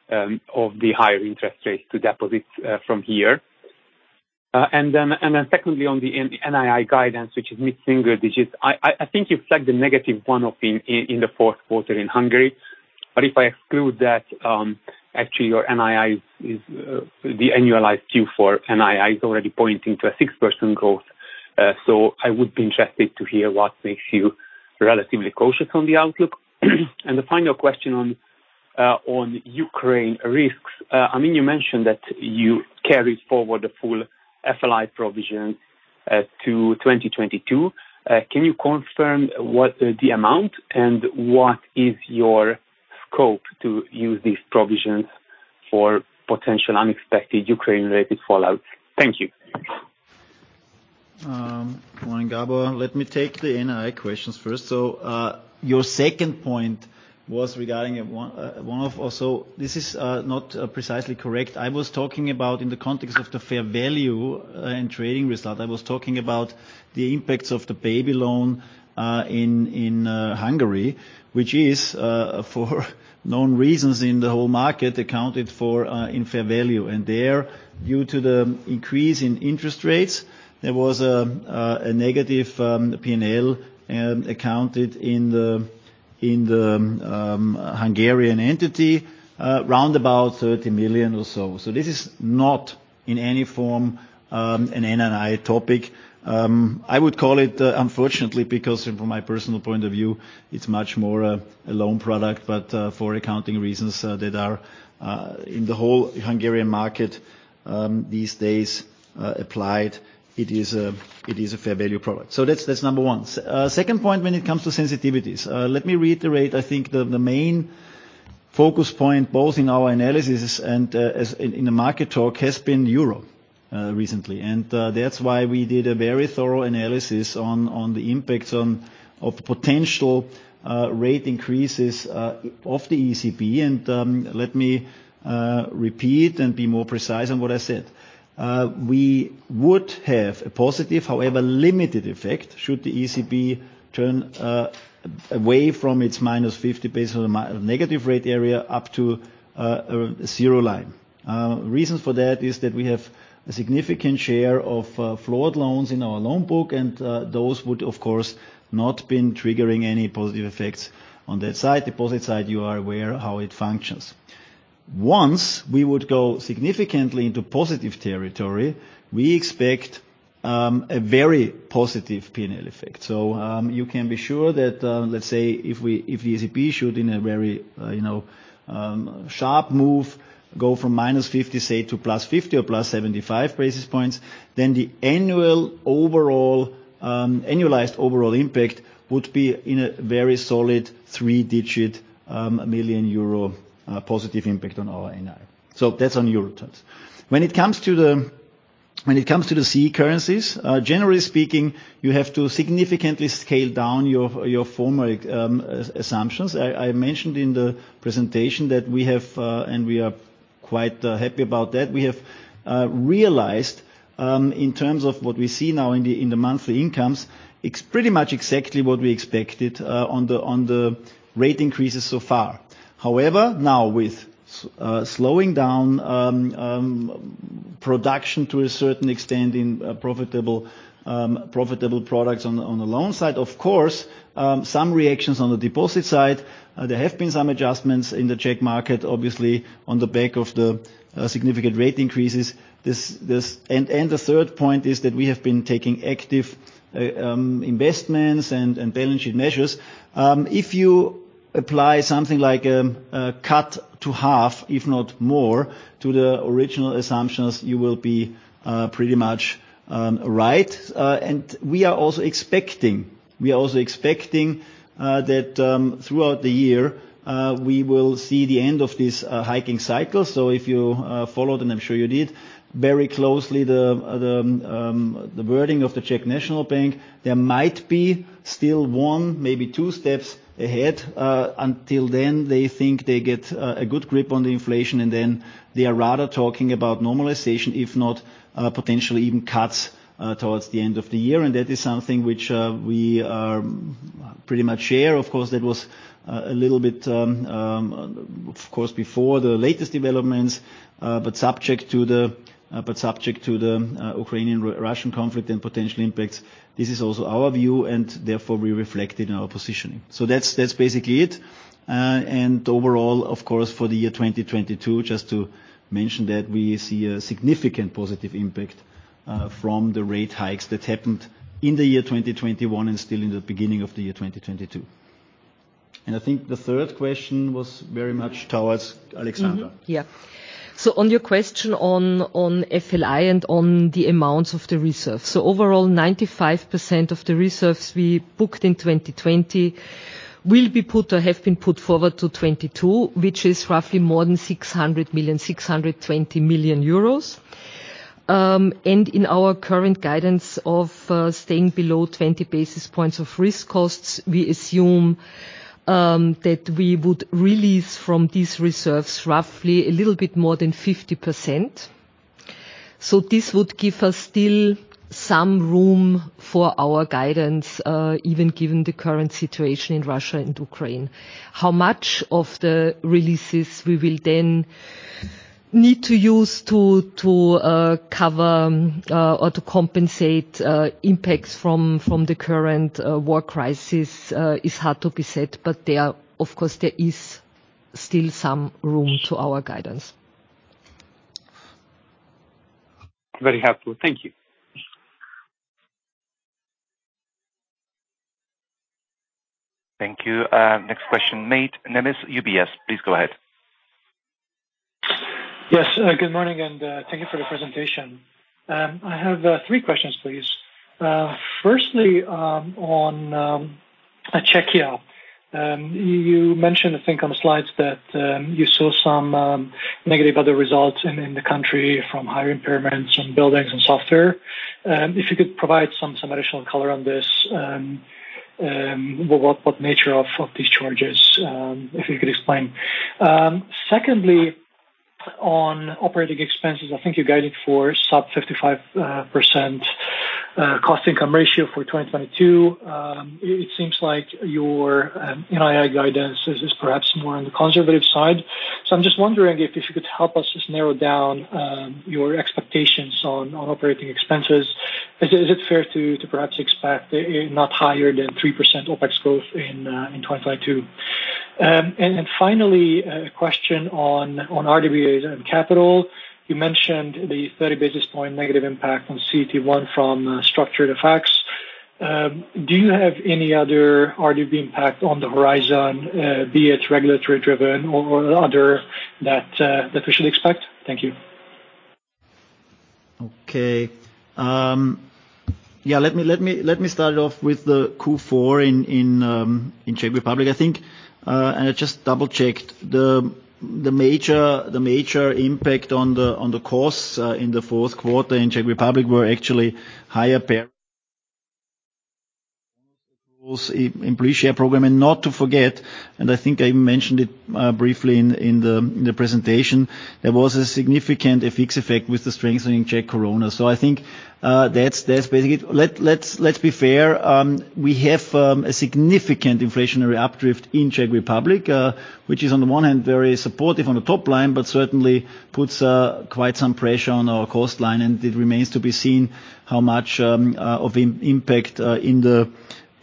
of the higher interest rates to deposits from here. Then secondly, on the NII guidance, which is mid-single digits. I think you flagged a negative one-off in the fourth quarter in Hungary. But if I exclude that, actually your NII is the annualized Q4 NII is already pointing to a 6% growth. So I would be interested to hear what makes you relatively cautious on the outlook. The final question on Ukraine risks. I mean, you mentioned that you carried forward the full FLI provision to 2022. Can you confirm what the amount is and what is your scope to use these provisions for potential unexpected Ukraine-related fallout? Thank you. Morning, Gabor. Let me take the NII questions first. Your second point was regarding a one-off or so. This is not precisely correct. I was talking about in the context of the fair value and trading result. I was talking about the impacts of the baby loan in Hungary, which is for known reasons in the whole market accounted for in fair value. Due to the increase in interest rates, there was a negative P&L accounted in the Hungarian entity, round about 30 million or so. This is not in any form an NII topic. I would call it, unfortunately, because from my personal point of view, it's much more a loan product, but for accounting reasons that are in the whole Hungarian market these days applied, it is a fair value product. That's number one. Second point when it comes to sensitivities. Let me reiterate, I think the main focus point, both in our analysis and as in the market talk, has been euro recently. That's why we did a very thorough analysis on the impacts of potential rate increases of the ECB. Let me repeat and be more precise on what I said. We would have a positive, however limited effect should the ECB turn away from its -50 basis points negative rate area up to a zero line. Reasons for that is that we have a significant share of floored loans in our loan book, and those would, of course, not been triggering any positive effects on that side. Deposit side, you are aware how it functions. Once we would go significantly into positive territory, we expect a very positive P&L effect. You can be sure that, let's say if the ECB should in a very, you know, sharp move, go from -50, say, to +50 or +75 basis points, then the annualized overall impact would be in a very solid three-digit million euro positive impact on our NII. That's on euro terms. When it comes to the CEE currencies, generally speaking, you have to significantly scale down your former assumptions. I mentioned in the presentation that we have and we are quite happy about that. We have realized in terms of what we see now in the monthly incomes, it's pretty much exactly what we expected on the rate increases so far. However, now with slowing down production to a certain extent in profitable products on the loan side, of course, some reactions on the deposit side. There have been some adjustments in the Czech market, obviously, on the back of the significant rate increases. The third point is that we have been taking active investments and balance sheet measures. If you apply something like a cut to half, if not more, to the original assumptions, you will be pretty much right. We are also expecting that throughout the year we will see the end of this hiking cycle. If you followed, and I'm sure you did, very closely the wording of the Czech National Bank, there might be still one, maybe two steps ahead. Until then, they think they get a good grip on the inflation, and then they are rather talking about normalization, if not, potentially even cuts, towards the end of the year. That is something which we pretty much share. Of course, that was a little bit before the latest developments, but subject to the Ukrainian-Russian conflict and potential impacts. This is also our view, and therefore, we reflect it in our positioning. That's basically it. Overall, of course, for the year 2022, just to mention that we see a significant positive impact from the rate hikes that happened in the year 2021 and still in the beginning of the year 2022. I think the third question was very much towards Alexandra. On your question on FLI and on the amounts of the reserves. Overall, 95% of the reserves we booked in 2020 will be put or have been put forward to 2022, which is roughly more than 600 million, 620 million euros. In our current guidance of staying below 20 basis points of risk costs, we assume that we would release from these reserves roughly a little bit more than 50%. This would give us still some room for our guidance, even given the current situation in Russia and Ukraine. How much of the releases we will then need to use to cover or to compensate impacts from the current war crisis is hard to be said, but there, of course, there is still some room to our guidance. Very helpful. Thank you. Thank you. Next question Mate Nemes, UBS, please go ahead. Yes, good morning, and thank you for the presentation. I have three questions, please. Firstly, on Czechia, you mentioned, I think on the slides, that you saw some negative other results in the country from higher impairments on buildings and software. If you could provide some additional color on this, what nature of these charges, if you could explain. Secondly, on operating expenses, I think you guided for sub 55% cost-to-income ratio for 2022. It seems like your NII guidance is perhaps more on the conservative side. I'm just wondering if you could help us just narrow down your expectations on operating expenses. Is it fair to perhaps expect not higher than 3% OpEx growth in 2022? Finally, a question on RWA and capital. You mentioned the 30 basis point negative impact on CET1 from structured effects. Do you have any other RWA impact on the horizon, be it regulatory-driven or other that we should expect? Thank you. Okay. Yeah. Let me start off with the Q4 in Czech Republic, I think. I just double-checked. The major impact on the costs in the fourth quarter in Czech Republic were actually higher paid employee share program. Not to forget, I think I mentioned it briefly in the presentation, there was a significant FX effect with the strengthening Czech koruna. I think that's basically it. Let's be fair. We have a significant inflationary updrift in Czech Republic, which is on the one hand very supportive on the top line, but certainly puts quite some pressure on our cost line, and it remains to be seen how much of impact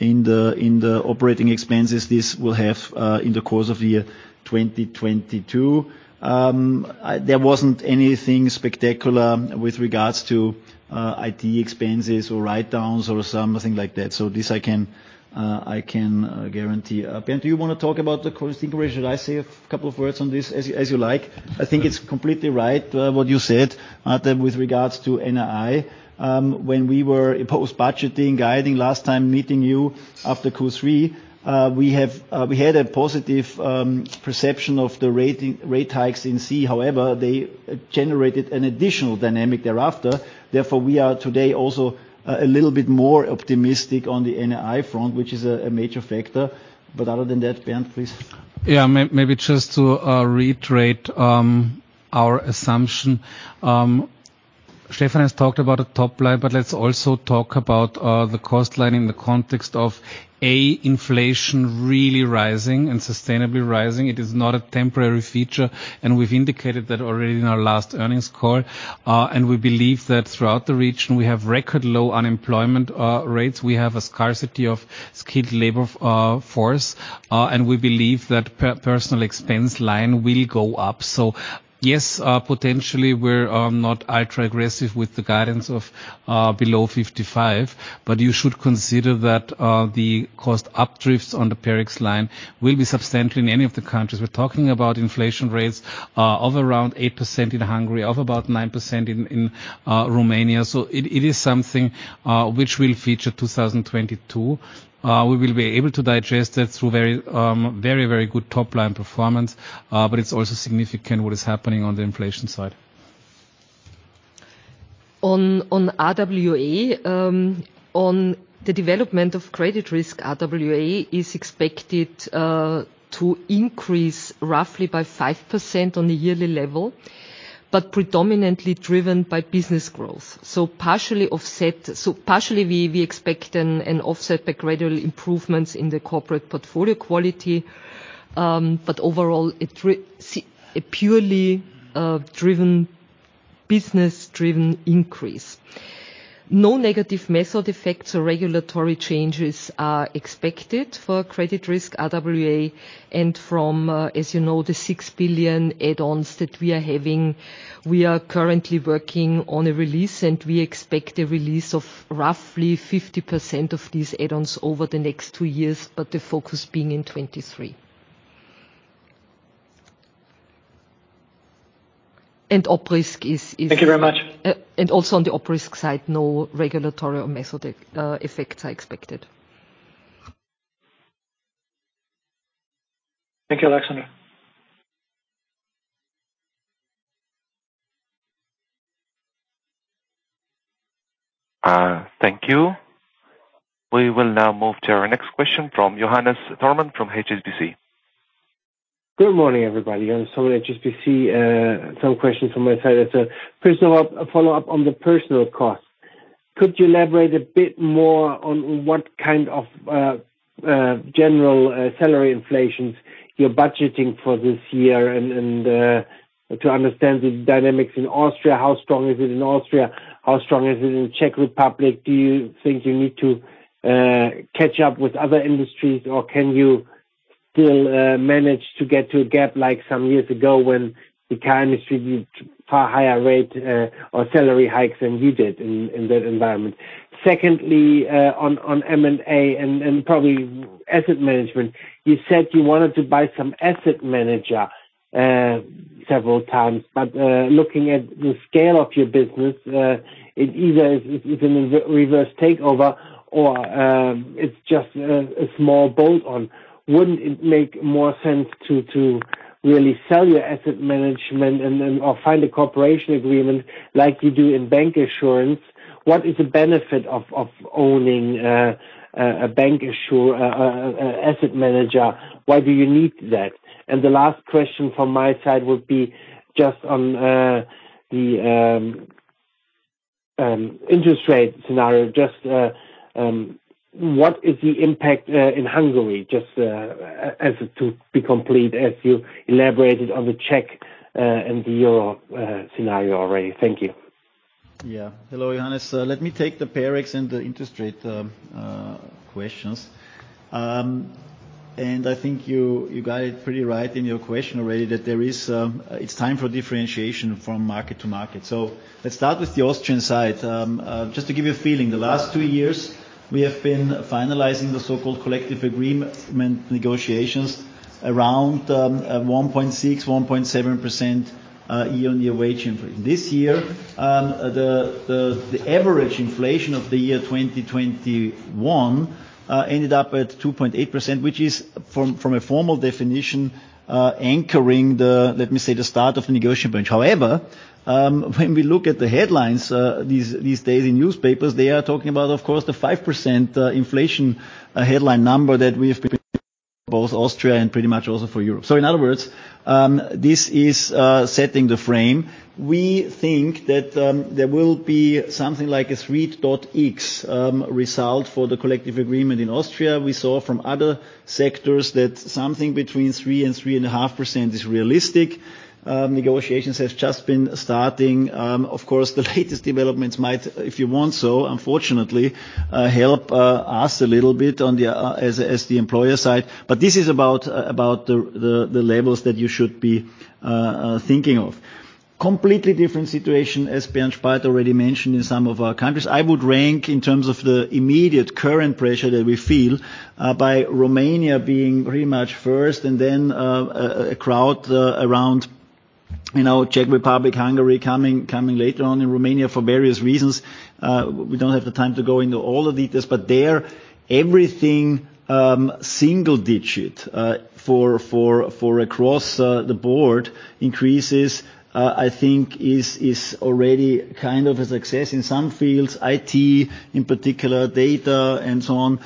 in the operating expenses this will have in the course of year 2022. There wasn't anything spectacular with regards to IT expenses or write-downs or something like that. So this I can guarantee. Bernhard, do you wanna talk about the cost integration? Or should I say a couple of words on this? As you like. I think it's completely right what you said, Mate, with regards to NII. When we were post-budgeting, guiding last time meeting you after Q3, we have... We had a positive perception of the rate hikes in CZ. However, they generated an additional dynamic thereafter. Therefore, we are today also a little bit more optimistic on the NII front, which is a major factor. Other than that, Bernhard, please. Yeah. Maybe just to reiterate our assumption. Stefan has talked about the top line, but let's also talk about the cost line in the context of inflation really rising and sustainably rising. It is not a temporary feature, and we've indicated that already in our last earnings call. We believe that throughout the region, we have record low unemployment rates. We have a scarcity of skilled labor force, and we believe that personnel expense line will go up. Yes, potentially, we're not ultra-aggressive with the guidance of below 55, but you should consider that the cost updrafts on the pay mix line will be substantial in any of the countries. We're talking about inflation rates of around 8% in Hungary, of about 9% in Romania. It is something which will feature 2022. We will be able to digest it through very good top-line performance, but it's also significant what is happening on the inflation side. On the development of credit risk, RWA is expected to increase roughly by 5% on a yearly level, but predominantly driven by business growth. Partially we expect an offset by gradual improvements in the corporate portfolio quality, but overall a purely business-driven increase. No negative method effects or regulatory changes are expected for credit risk RWA. As you know, the 6 billion add-ons that we are having, we are currently working on a release, and we expect a release of roughly 50% of these add-ons over the next two years, but the focus being in 2023. Op risk is. Thank you very much. Also on the op risk side, no regulatory or methodic effects are expected. Thank you, Alexandra. Thank you. We will now move to our next question from Johannes Thormann from HSBC. Good morning, everybody. Johannes Thormann, HSBC. Some questions from my side. As a personnel follow-up on the personnel cost, could you elaborate a bit more on what kind of general salary inflations you're budgeting for this year and to understand the dynamics in Austria, how strong is it in Austria? How strong is it in Czech Republic? Do you think you need to catch up with other industries, or can you still manage to get to a gap like some years ago when the car industry did far higher rate or salary hikes than you did in that environment? Secondly, on M&A and probably asset management, you said you wanted to buy some asset manager several times, but looking at the scale of your business, it either is it's a reverse takeover or it's just a small bolt-on. Wouldn't it make more sense to really sell your asset management and then or find a cooperation agreement like you do in bank insurance? What is the benefit of owning a asset manager, why do you need that? The last question from my side would be just on the interest rate scenario. Just what is the impact in Hungary, just as to be complete, as you elaborated on the Czech and the euro scenario already. Thank you. Yeah. Hello, Johannes. Let me take the pay mix and the interest rate questions. I think you got it pretty right in your question already that there is, it's time for differentiation from market to market. Let's start with the Austrian side. Just to give you a feeling, the last two years we have been finalizing the so-called collective agreement negotiations around 1.6%-1.7% year-on-year wage. This year, the average inflation of the year 2021 ended up at 2.8%, which is, from a formal definition, anchoring the, let me say, the start of the negotiation benchmark. However, when we look at the headlines, these days in newspapers, they are talking about, of course, the 5% inflation headline number that we have seen both in Austria and pretty much also for Europe. In other words, this is setting the frame. We think that there will be something like a 3.x result for the collective agreement in Austria. We saw from other sectors that something between 3% and 3.5% is realistic. Negotiations have just been starting. Of course, the latest developments might, if you want so, unfortunately, help us a little bit on the employer side. But this is about the levels that you should be thinking of. Completely different situation, as Bernhard Spalt already mentioned in some of our countries. I would rank in terms of the immediate current pressure that we feel by Romania being pretty much first and then a crowd around, you know, Czech Republic, Hungary coming later on in Romania for various reasons. We don't have the time to go into all the details, but there everything single-digit, for across-the-board increases, I think is already kind of a success in some fields. IT in particular, data and so on,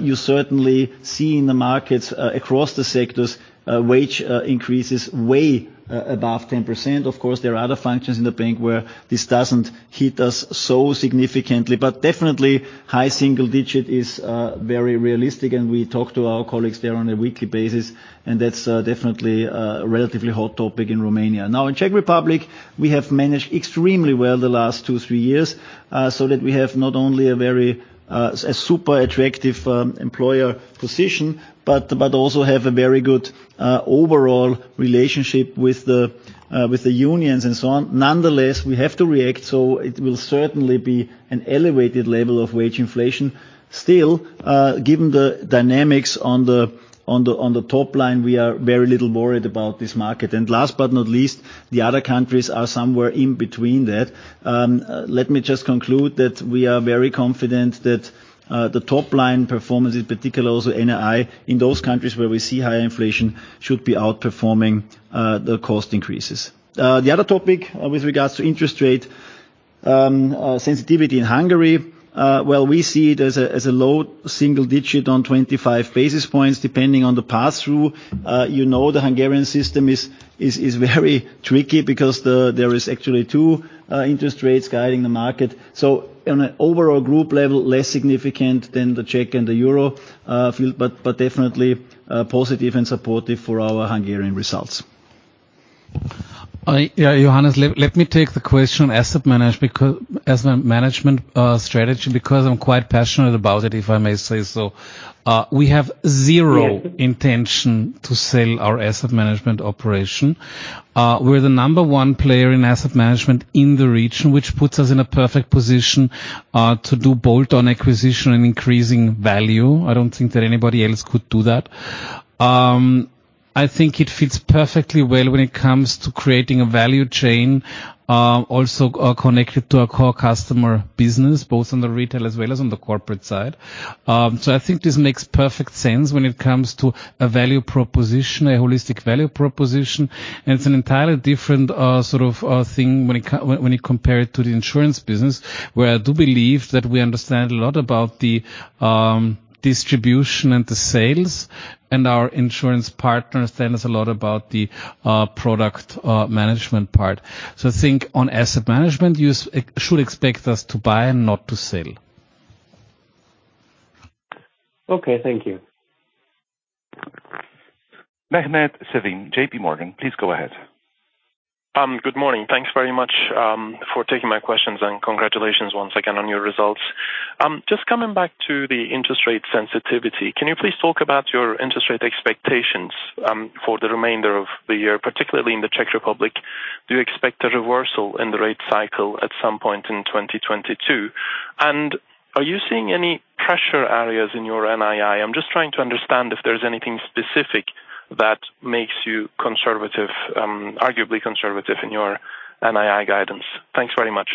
you certainly see in the markets across the sectors wage increases way above 10%. Of course, there are other functions in the bank where this doesn't hit us so significantly, but definitely high single digit is very realistic and we talk to our colleagues there on a weekly basis, and that's definitely a relatively hot topic in Romania. Now, in Czech Republic, we have managed extremely well the last two three years, so that we have not only a super attractive employer position, but also have a very good overall relationship with the unions and so on. Nonetheless, we have to react, so it will certainly be an elevated level of wage inflation. Still, given the dynamics on the top line, we are very little worried about this market. Last but not least, the other countries are somewhere in between that. Let me just conclude that we are very confident that the top line performance in particular also NII in those countries where we see higher inflation should be outperforming the cost increases. The other topic with regards to interest rate sensitivity in Hungary, well, we see it as a low single digit on 25 basis points, depending on the pass-through. You know, the Hungarian system is very tricky because there is actually two interest rates guiding the market. On an overall group level, less significant than the Czech and the euro yield, but definitely positive and supportive for our Hungarian results. Yeah, Johannes, let me take the question. Asset management strategy, because I'm quite passionate about it, if I may say so. We have zero intention to sell our asset management operation. We're the number one player in asset management in the region, which puts us in a perfect position to do bolt-on acquisition and increasing value. I don't think that anybody else could do that. I think it fits perfectly well when it comes to creating a value chain, also connected to our core customer business, both on the retail as well as on the corporate side. I think this makes perfect sense when it comes to a value proposition, a holistic value proposition. It's an entirely different, sort of, thing when you compare it to the insurance business, where I do believe that we understand a lot about the distribution and the sales, and our insurance partners tell us a lot about the product management part. I think on asset management, you should expect us to buy and not to sell. Okay. Thank you. Mehmet Sevim, JPMorgan, please go ahead. Good morning. Thanks very much for taking my questions, and congratulations once again on your results. Just coming back to the interest rate sensitivity, can you please talk about your interest rate expectations for the remainder of the year, particularly in the Czech Republic? Do you expect a reversal in the rate cycle at some point in 2022? And are you seeing any pressure areas in your NII? I'm just trying to understand if there's anything specific that makes you conservative, arguably conservative in your NII guidance. Thanks very much.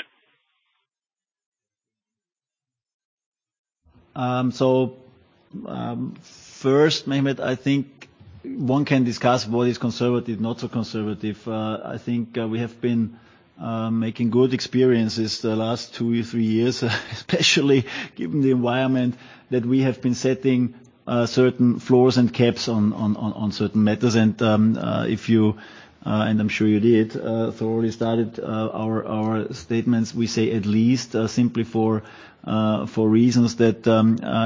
First, Mehmet, I think one can discuss what is conservative, not so conservative. I think we have been making good experiences the last two or three years, especially given the environment that we have been setting certain floors and caps on certain matters. If you and I'm sure you did thoroughly study our statements, we say at least simply for reasons that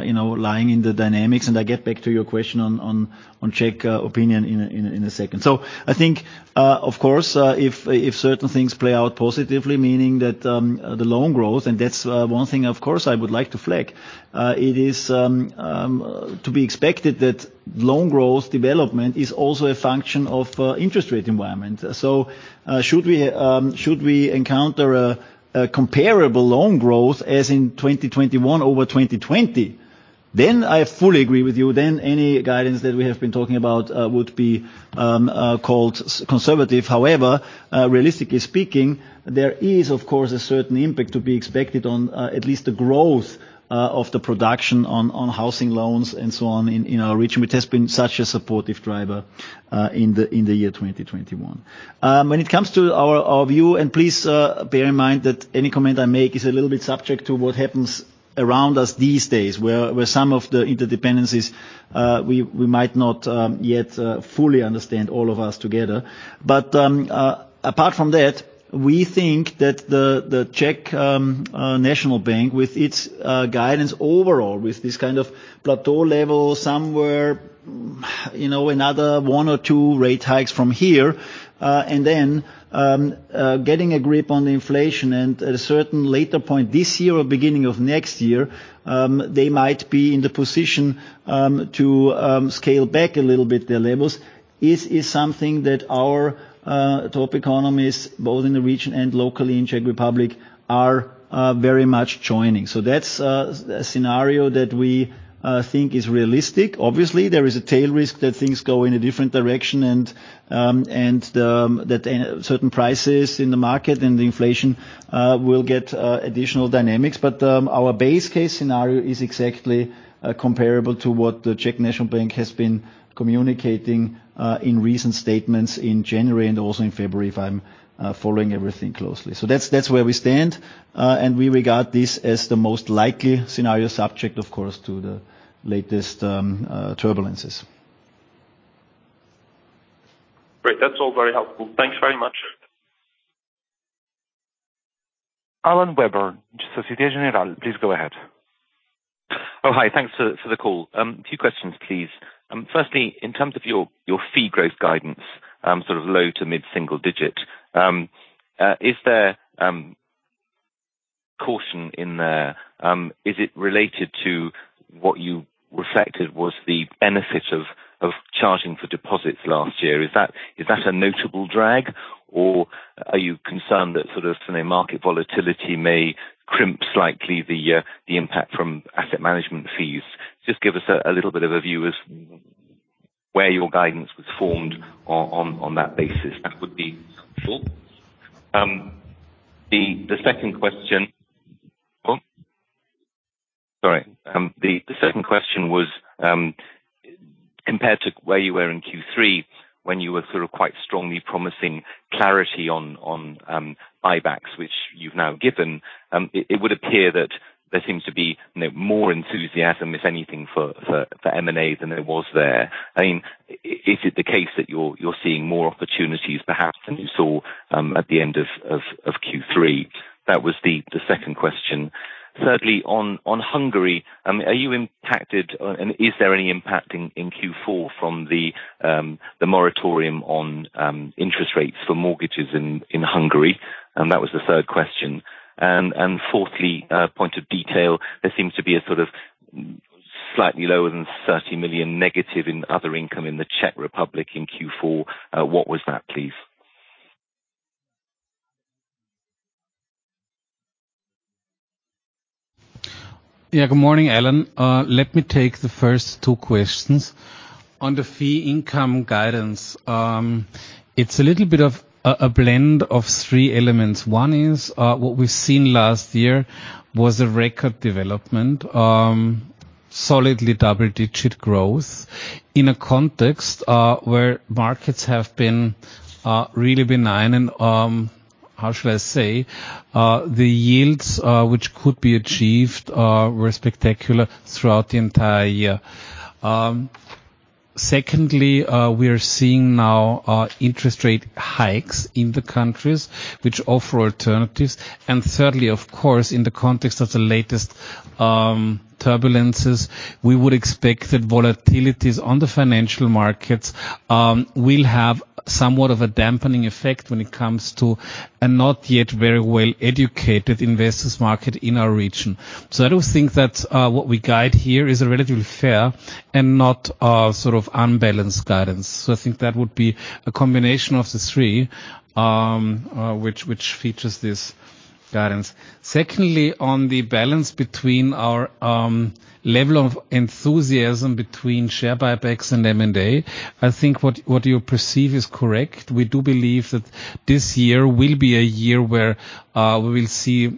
you know lie in the dynamics. I get back to your question on Czech opinion in a second. I think of course if certain things play out positively, meaning that the loan growth and that's one thing of course I would like to flag. It is to be expected that loan growth development is also a function of interest rate environment. Should we encounter a comparable loan growth as in 2021 over 2020, then I fully agree with you. Any guidance that we have been talking about would be called conservative. However, realistically speaking, there is of course a certain impact to be expected on at least the growth of the production on housing loans and so on in our region, which has been such a supportive driver in the year 2021. When it comes to our view, and please bear in mind that any comment I make is a little bit subject to what happens around us these days, where some of the interdependencies we might not yet fully understand all of us together. Apart from that, we think that the Czech National Bank, with its guidance overall, with this kind of plateau level, somewhere, you know, another one or two rate hikes from here, and then getting a grip on the inflation and at a certain later point this year or beginning of next year, they might be in the position to scale back a little bit their levels is something that our top economists, both in the region and locally in Czech Republic, are very much joining. That's a scenario that we think is realistic. Obviously, there is a tail risk that things go in a different direction and that certain prices in the market and the inflation will get additional dynamics. Our base case scenario is exactly comparable to what the Czech National Bank has been communicating in recent statements in January and also in February, if I'm following everything closely. That's where we stand, and we regard this as the most likely scenario subject, of course, to the latest turbulences. Great. That's all very helpful. Thanks very much. Alan Webborn, Société Générale. Please go ahead. Oh, hi. Thanks for the call. Two questions, please. Firstly, in terms of your fee growth guidance, sort of low- to mid-single-digit, is there caution in there? Is it related to what you reflected was the benefit of charging for deposits last year? Is that a notable drag, or are you concerned that sort of, you know, market volatility may crimp slightly the impact from asset management fees? Just give us a little bit of a view as where your guidance was formed on that basis. That would be helpful. The second question. Sorry. The second question was, compared to where you were in Q3, when you were sort of quite strongly promising clarity on buybacks, which you've now given, it would appear that there seems to be more enthusiasm, if anything, for M&As than there was there. I mean, is it the case that you're seeing more opportunities perhaps than you saw at the end of Q3? That was the second question. Thirdly, on Hungary, are you impacted, and is there any impact in Q4 from the moratorium on interest rates for mortgages in Hungary? And that was the third question. Fourthly, point of detail. There seems to be a sort of slightly lower than 30 million negative in other income in the Czech Republic in Q4. What was that, please? Yeah. Good morning, Alan. Let me take the first two questions. On the fee income guidance, it's a little bit of a blend of three elements. One is what we've seen last year was a record development solidly double-digit growth in a context where markets have been really benign and how should I say? The yields which could be achieved were spectacular throughout the entire year. Secondly, we are seeing now interest rate hikes in the countries which offer alternatives. Thirdly, of course, in the context of the latest turbulences, we would expect that volatilities on the financial markets will have somewhat of a dampening effect when it comes to a not yet very well-educated investors market in our region. I do think that what we guide here is a relatively fair and not sort of unbalanced guidance. I think that would be a combination of the three, which features this guidance. Secondly, on the balance between our level of enthusiasm between share buybacks and M&A, I think what you perceive is correct. We do believe that this year will be a year where we will see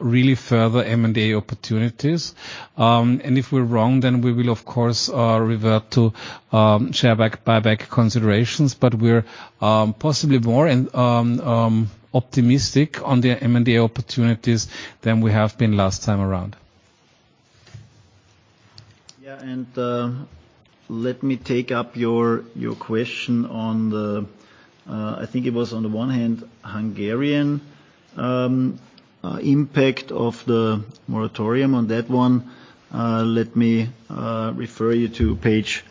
really further M&A opportunities. And if we're wrong, then we will, of course, revert to share buyback considerations. But we're possibly more optimistic on the M&A opportunities than we have been last time around. Let me take up your question on the one hand, Hungarian impact of the moratorium on that one. Let me refer you to page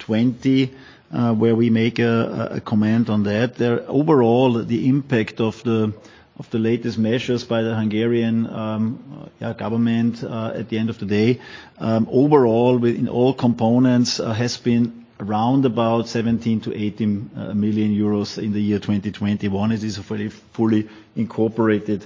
20, where we make a comment on that. The overall impact of the latest measures by the Hungarian government, at the end of the day, overall with all components, has been around about 17 million-18 million euros in the year 2021. It is fully incorporated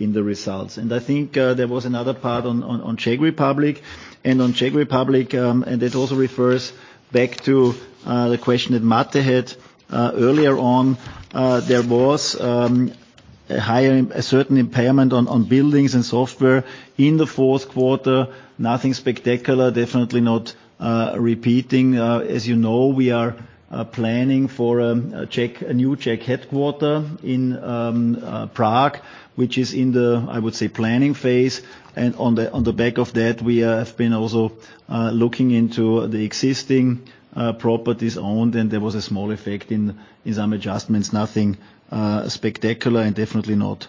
in the results. I think there was another part on Czech Republic. On Czech Republic, it also refers back to the question that Mate had earlier on. There was a certain impairment on buildings and software in the fourth quarter. Nothing spectacular. Definitely not repeating. As you know, we are planning for a new Czech headquarters in Prague, which is in the planning phase. I would say. On the back of that, we have been also looking into the existing properties owned, and there was a small effect in some adjustments. Nothing spectacular and definitely not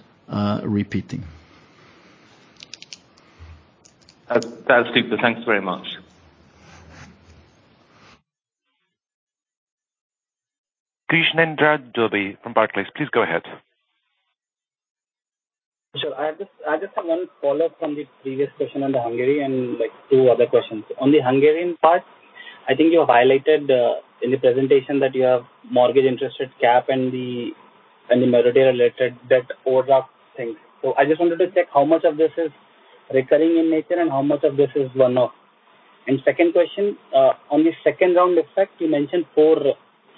repeating. That's super. Thanks very much. Krishnendra Dubey from Barclays, please go ahead. Sure. I just have one follow-up from the previous question on Hungary and, like, two other questions. On the Hungarian part, I think you highlighted in the presentation that you have mortgage interest cap and the moratorium-related debt overlap thing. So I just wanted to check how much of this is recurring in nature and how much of this is one-off. Second question, on the second round effect, you mentioned four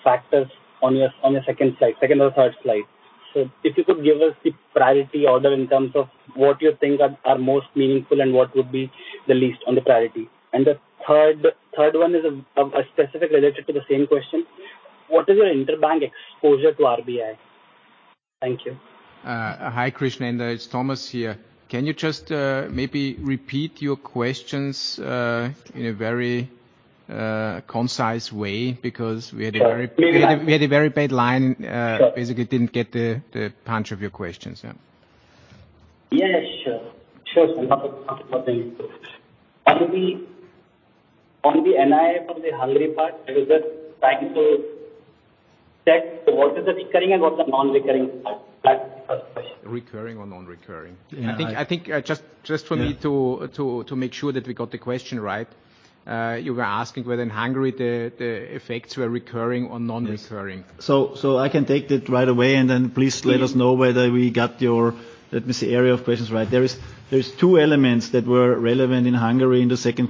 factors on your second slide, second or third slide. So if you could give us the priority order in terms of what you think are most meaningful and what would be the least on the priority. The third one is specifically related to the same question. What is your interbank exposure to RBI? Thank you. Hi, Krishnendra. It's Thomas here. Can you just maybe repeat your questions in a very concise way? Because we had a very Sure. We had a very bad line. Sure. Basically didn't get the punch of your questions. Yeah. Yeah, sure. Sure. No problem. On the NII from the Hungary part, I was just trying to check what is the recurring and what is the non-recurring part. That's the first question. Recurring or non-recurring. Yeah. I think just for me to make sure that we got the question right, you were asking whether in Hungary the effects were recurring or non-recurring. Yes, I can take that right away, and then please let us know whether we got your, let me say, area of questions right. There are two elements that were relevant in Hungary in the second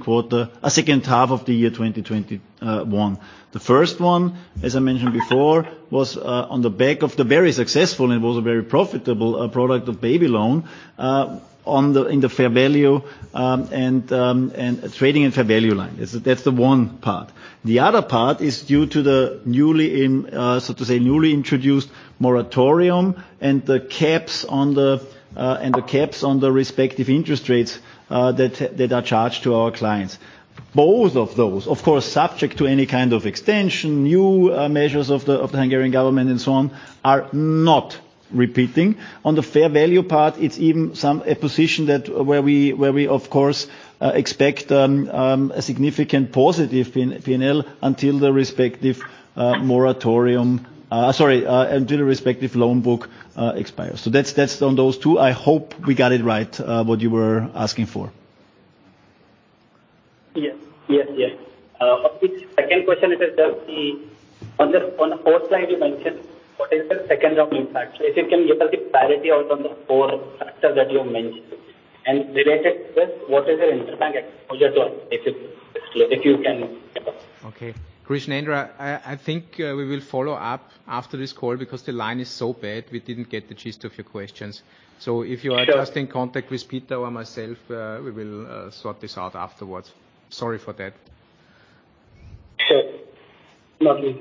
half of the year 2021. The first one, as I mentioned before, was on the back of the very successful and very profitable product of baby loan in the fair value and trading and fair value line. That's the one part. The other part is due to the, so to say, newly introduced moratorium and the caps on the respective interest rates that are charged to our clients. Both of those, of course, subject to any kind of extension, new measures of the Hungarian government and so on, are not repeating. On the fair value part, it's even a position where we, of course, expect a significant positive P&L until the respective moratorium until the respective loan book expires. That's on those two. I hope we got it right what you were asking for. Yes. Yes, yes. The second question is on the fourth slide you mentioned, what is the second round impact? If you can give us the clarity on the four factors that you mentioned. Related with, what is your interbank exposure to it, if you can. Okay. Krishnendra, I think we will follow up after this call because the line is so bad, we didn't get the gist of your questions. If you are just in contact with Peter or myself, we will sort this out afterwards. Sorry for that. Sure. Lovely.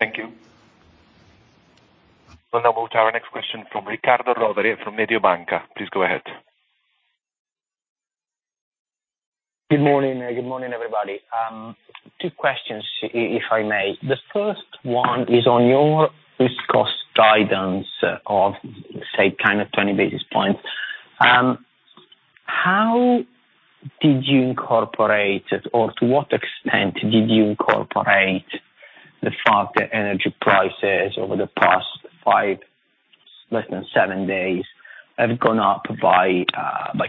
Thank you. We'll now move to our next question from Riccardo Rovere from Mediobanca. Please go ahead. Good morning. Good morning, everybody. Two questions if I may. The first one is on your risk cost guidance of, say, kind of 20 basis points. How did you incorporate or to what extent did you incorporate the fact that energy prices over the past five, less than seven days, have gone up by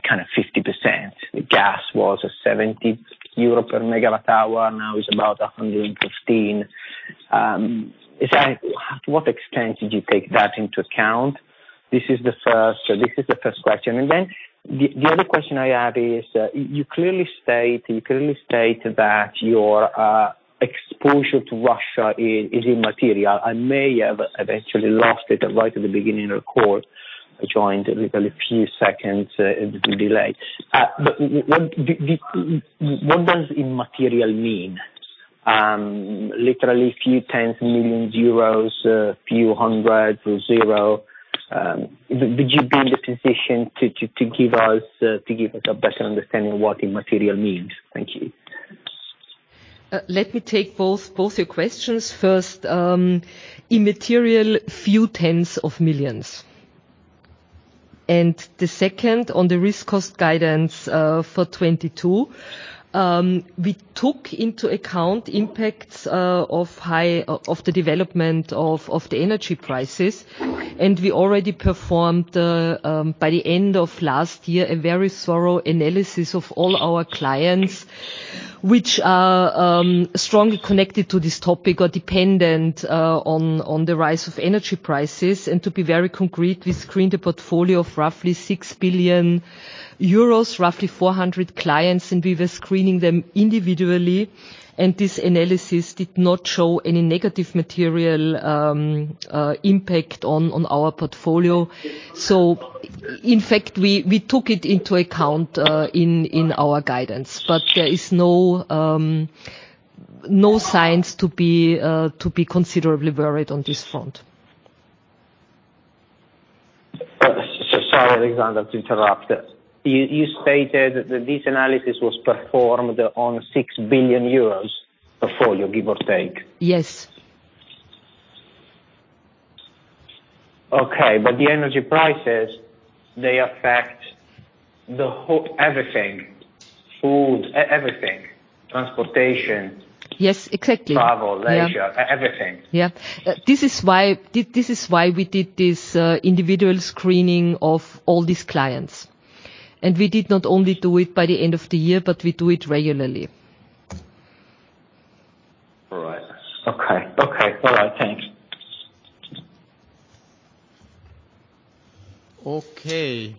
kind of 50%? Gas was at 70 euro per MWh, now it's about 115 EUR. To what extent did you take that into account? This is the first question. Then the other question I had is, you clearly state that your exposure to Russia is immaterial. I may have actually lost it right at the beginning of the call. I joined with a few seconds delay. But when. What does immaterial mean? Literally a few tens of millions euros, a few hundred or zero. Would you be in the position to give us a better understanding of what immaterial means? Thank you. Let me take both your questions. First, immaterial, a few tens of millions. The second, on the risk cost guidance for 2022, we took into account impacts of the development of the energy prices, and we already performed by the end of last year a very thorough analysis of all our clients which are strongly connected to this topic or dependent on the rise of energy prices. To be very concrete, we screened a portfolio of roughly 6 billion euros, roughly 400 clients, and we were screening them individually, and this analysis did not show any negative material impact on our portfolio. In fact, we took it into account in our guidance. There is no signs to be considerably worried on this front. Sorry, Alexandra, to interrupt. You stated that this analysis was performed on 6 billion euros portfolio, give or take. Yes. Okay. The energy prices, they affect the whole everything, food, everything, transportation. Yes, exactly. Travel, leisure. Yeah. E-everything. Yeah. This is why we did this individual screening of all these clients. We did not only do it by the end of the year, but we do it regularly. All right. Okay. All right. Thanks. Okay.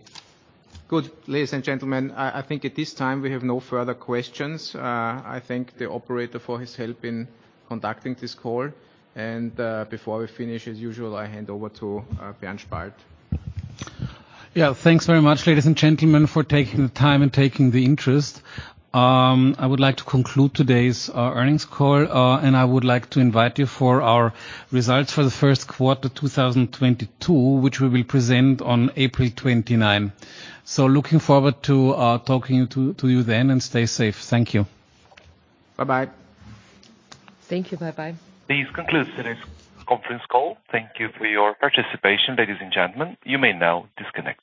Good. Ladies and gentlemen, I think at this time we have no further questions. I thank the operator for his help in conducting this call. Before we finish, as usual, I hand over to Bernhard Spalt. Yeah. Thanks very much, ladies and gentlemen, for taking the time and taking the interest. I would like to conclude today's earnings call, and I would like to invite you for our results for the first quarter 2022, which we will present on April 29. Looking forward to talking to you then, and stay safe. Thank you. Bye-bye. Thank you. Bye-bye. This concludes today's conference call. Thank you for your participation, ladies and gentlemen. You may now disconnect.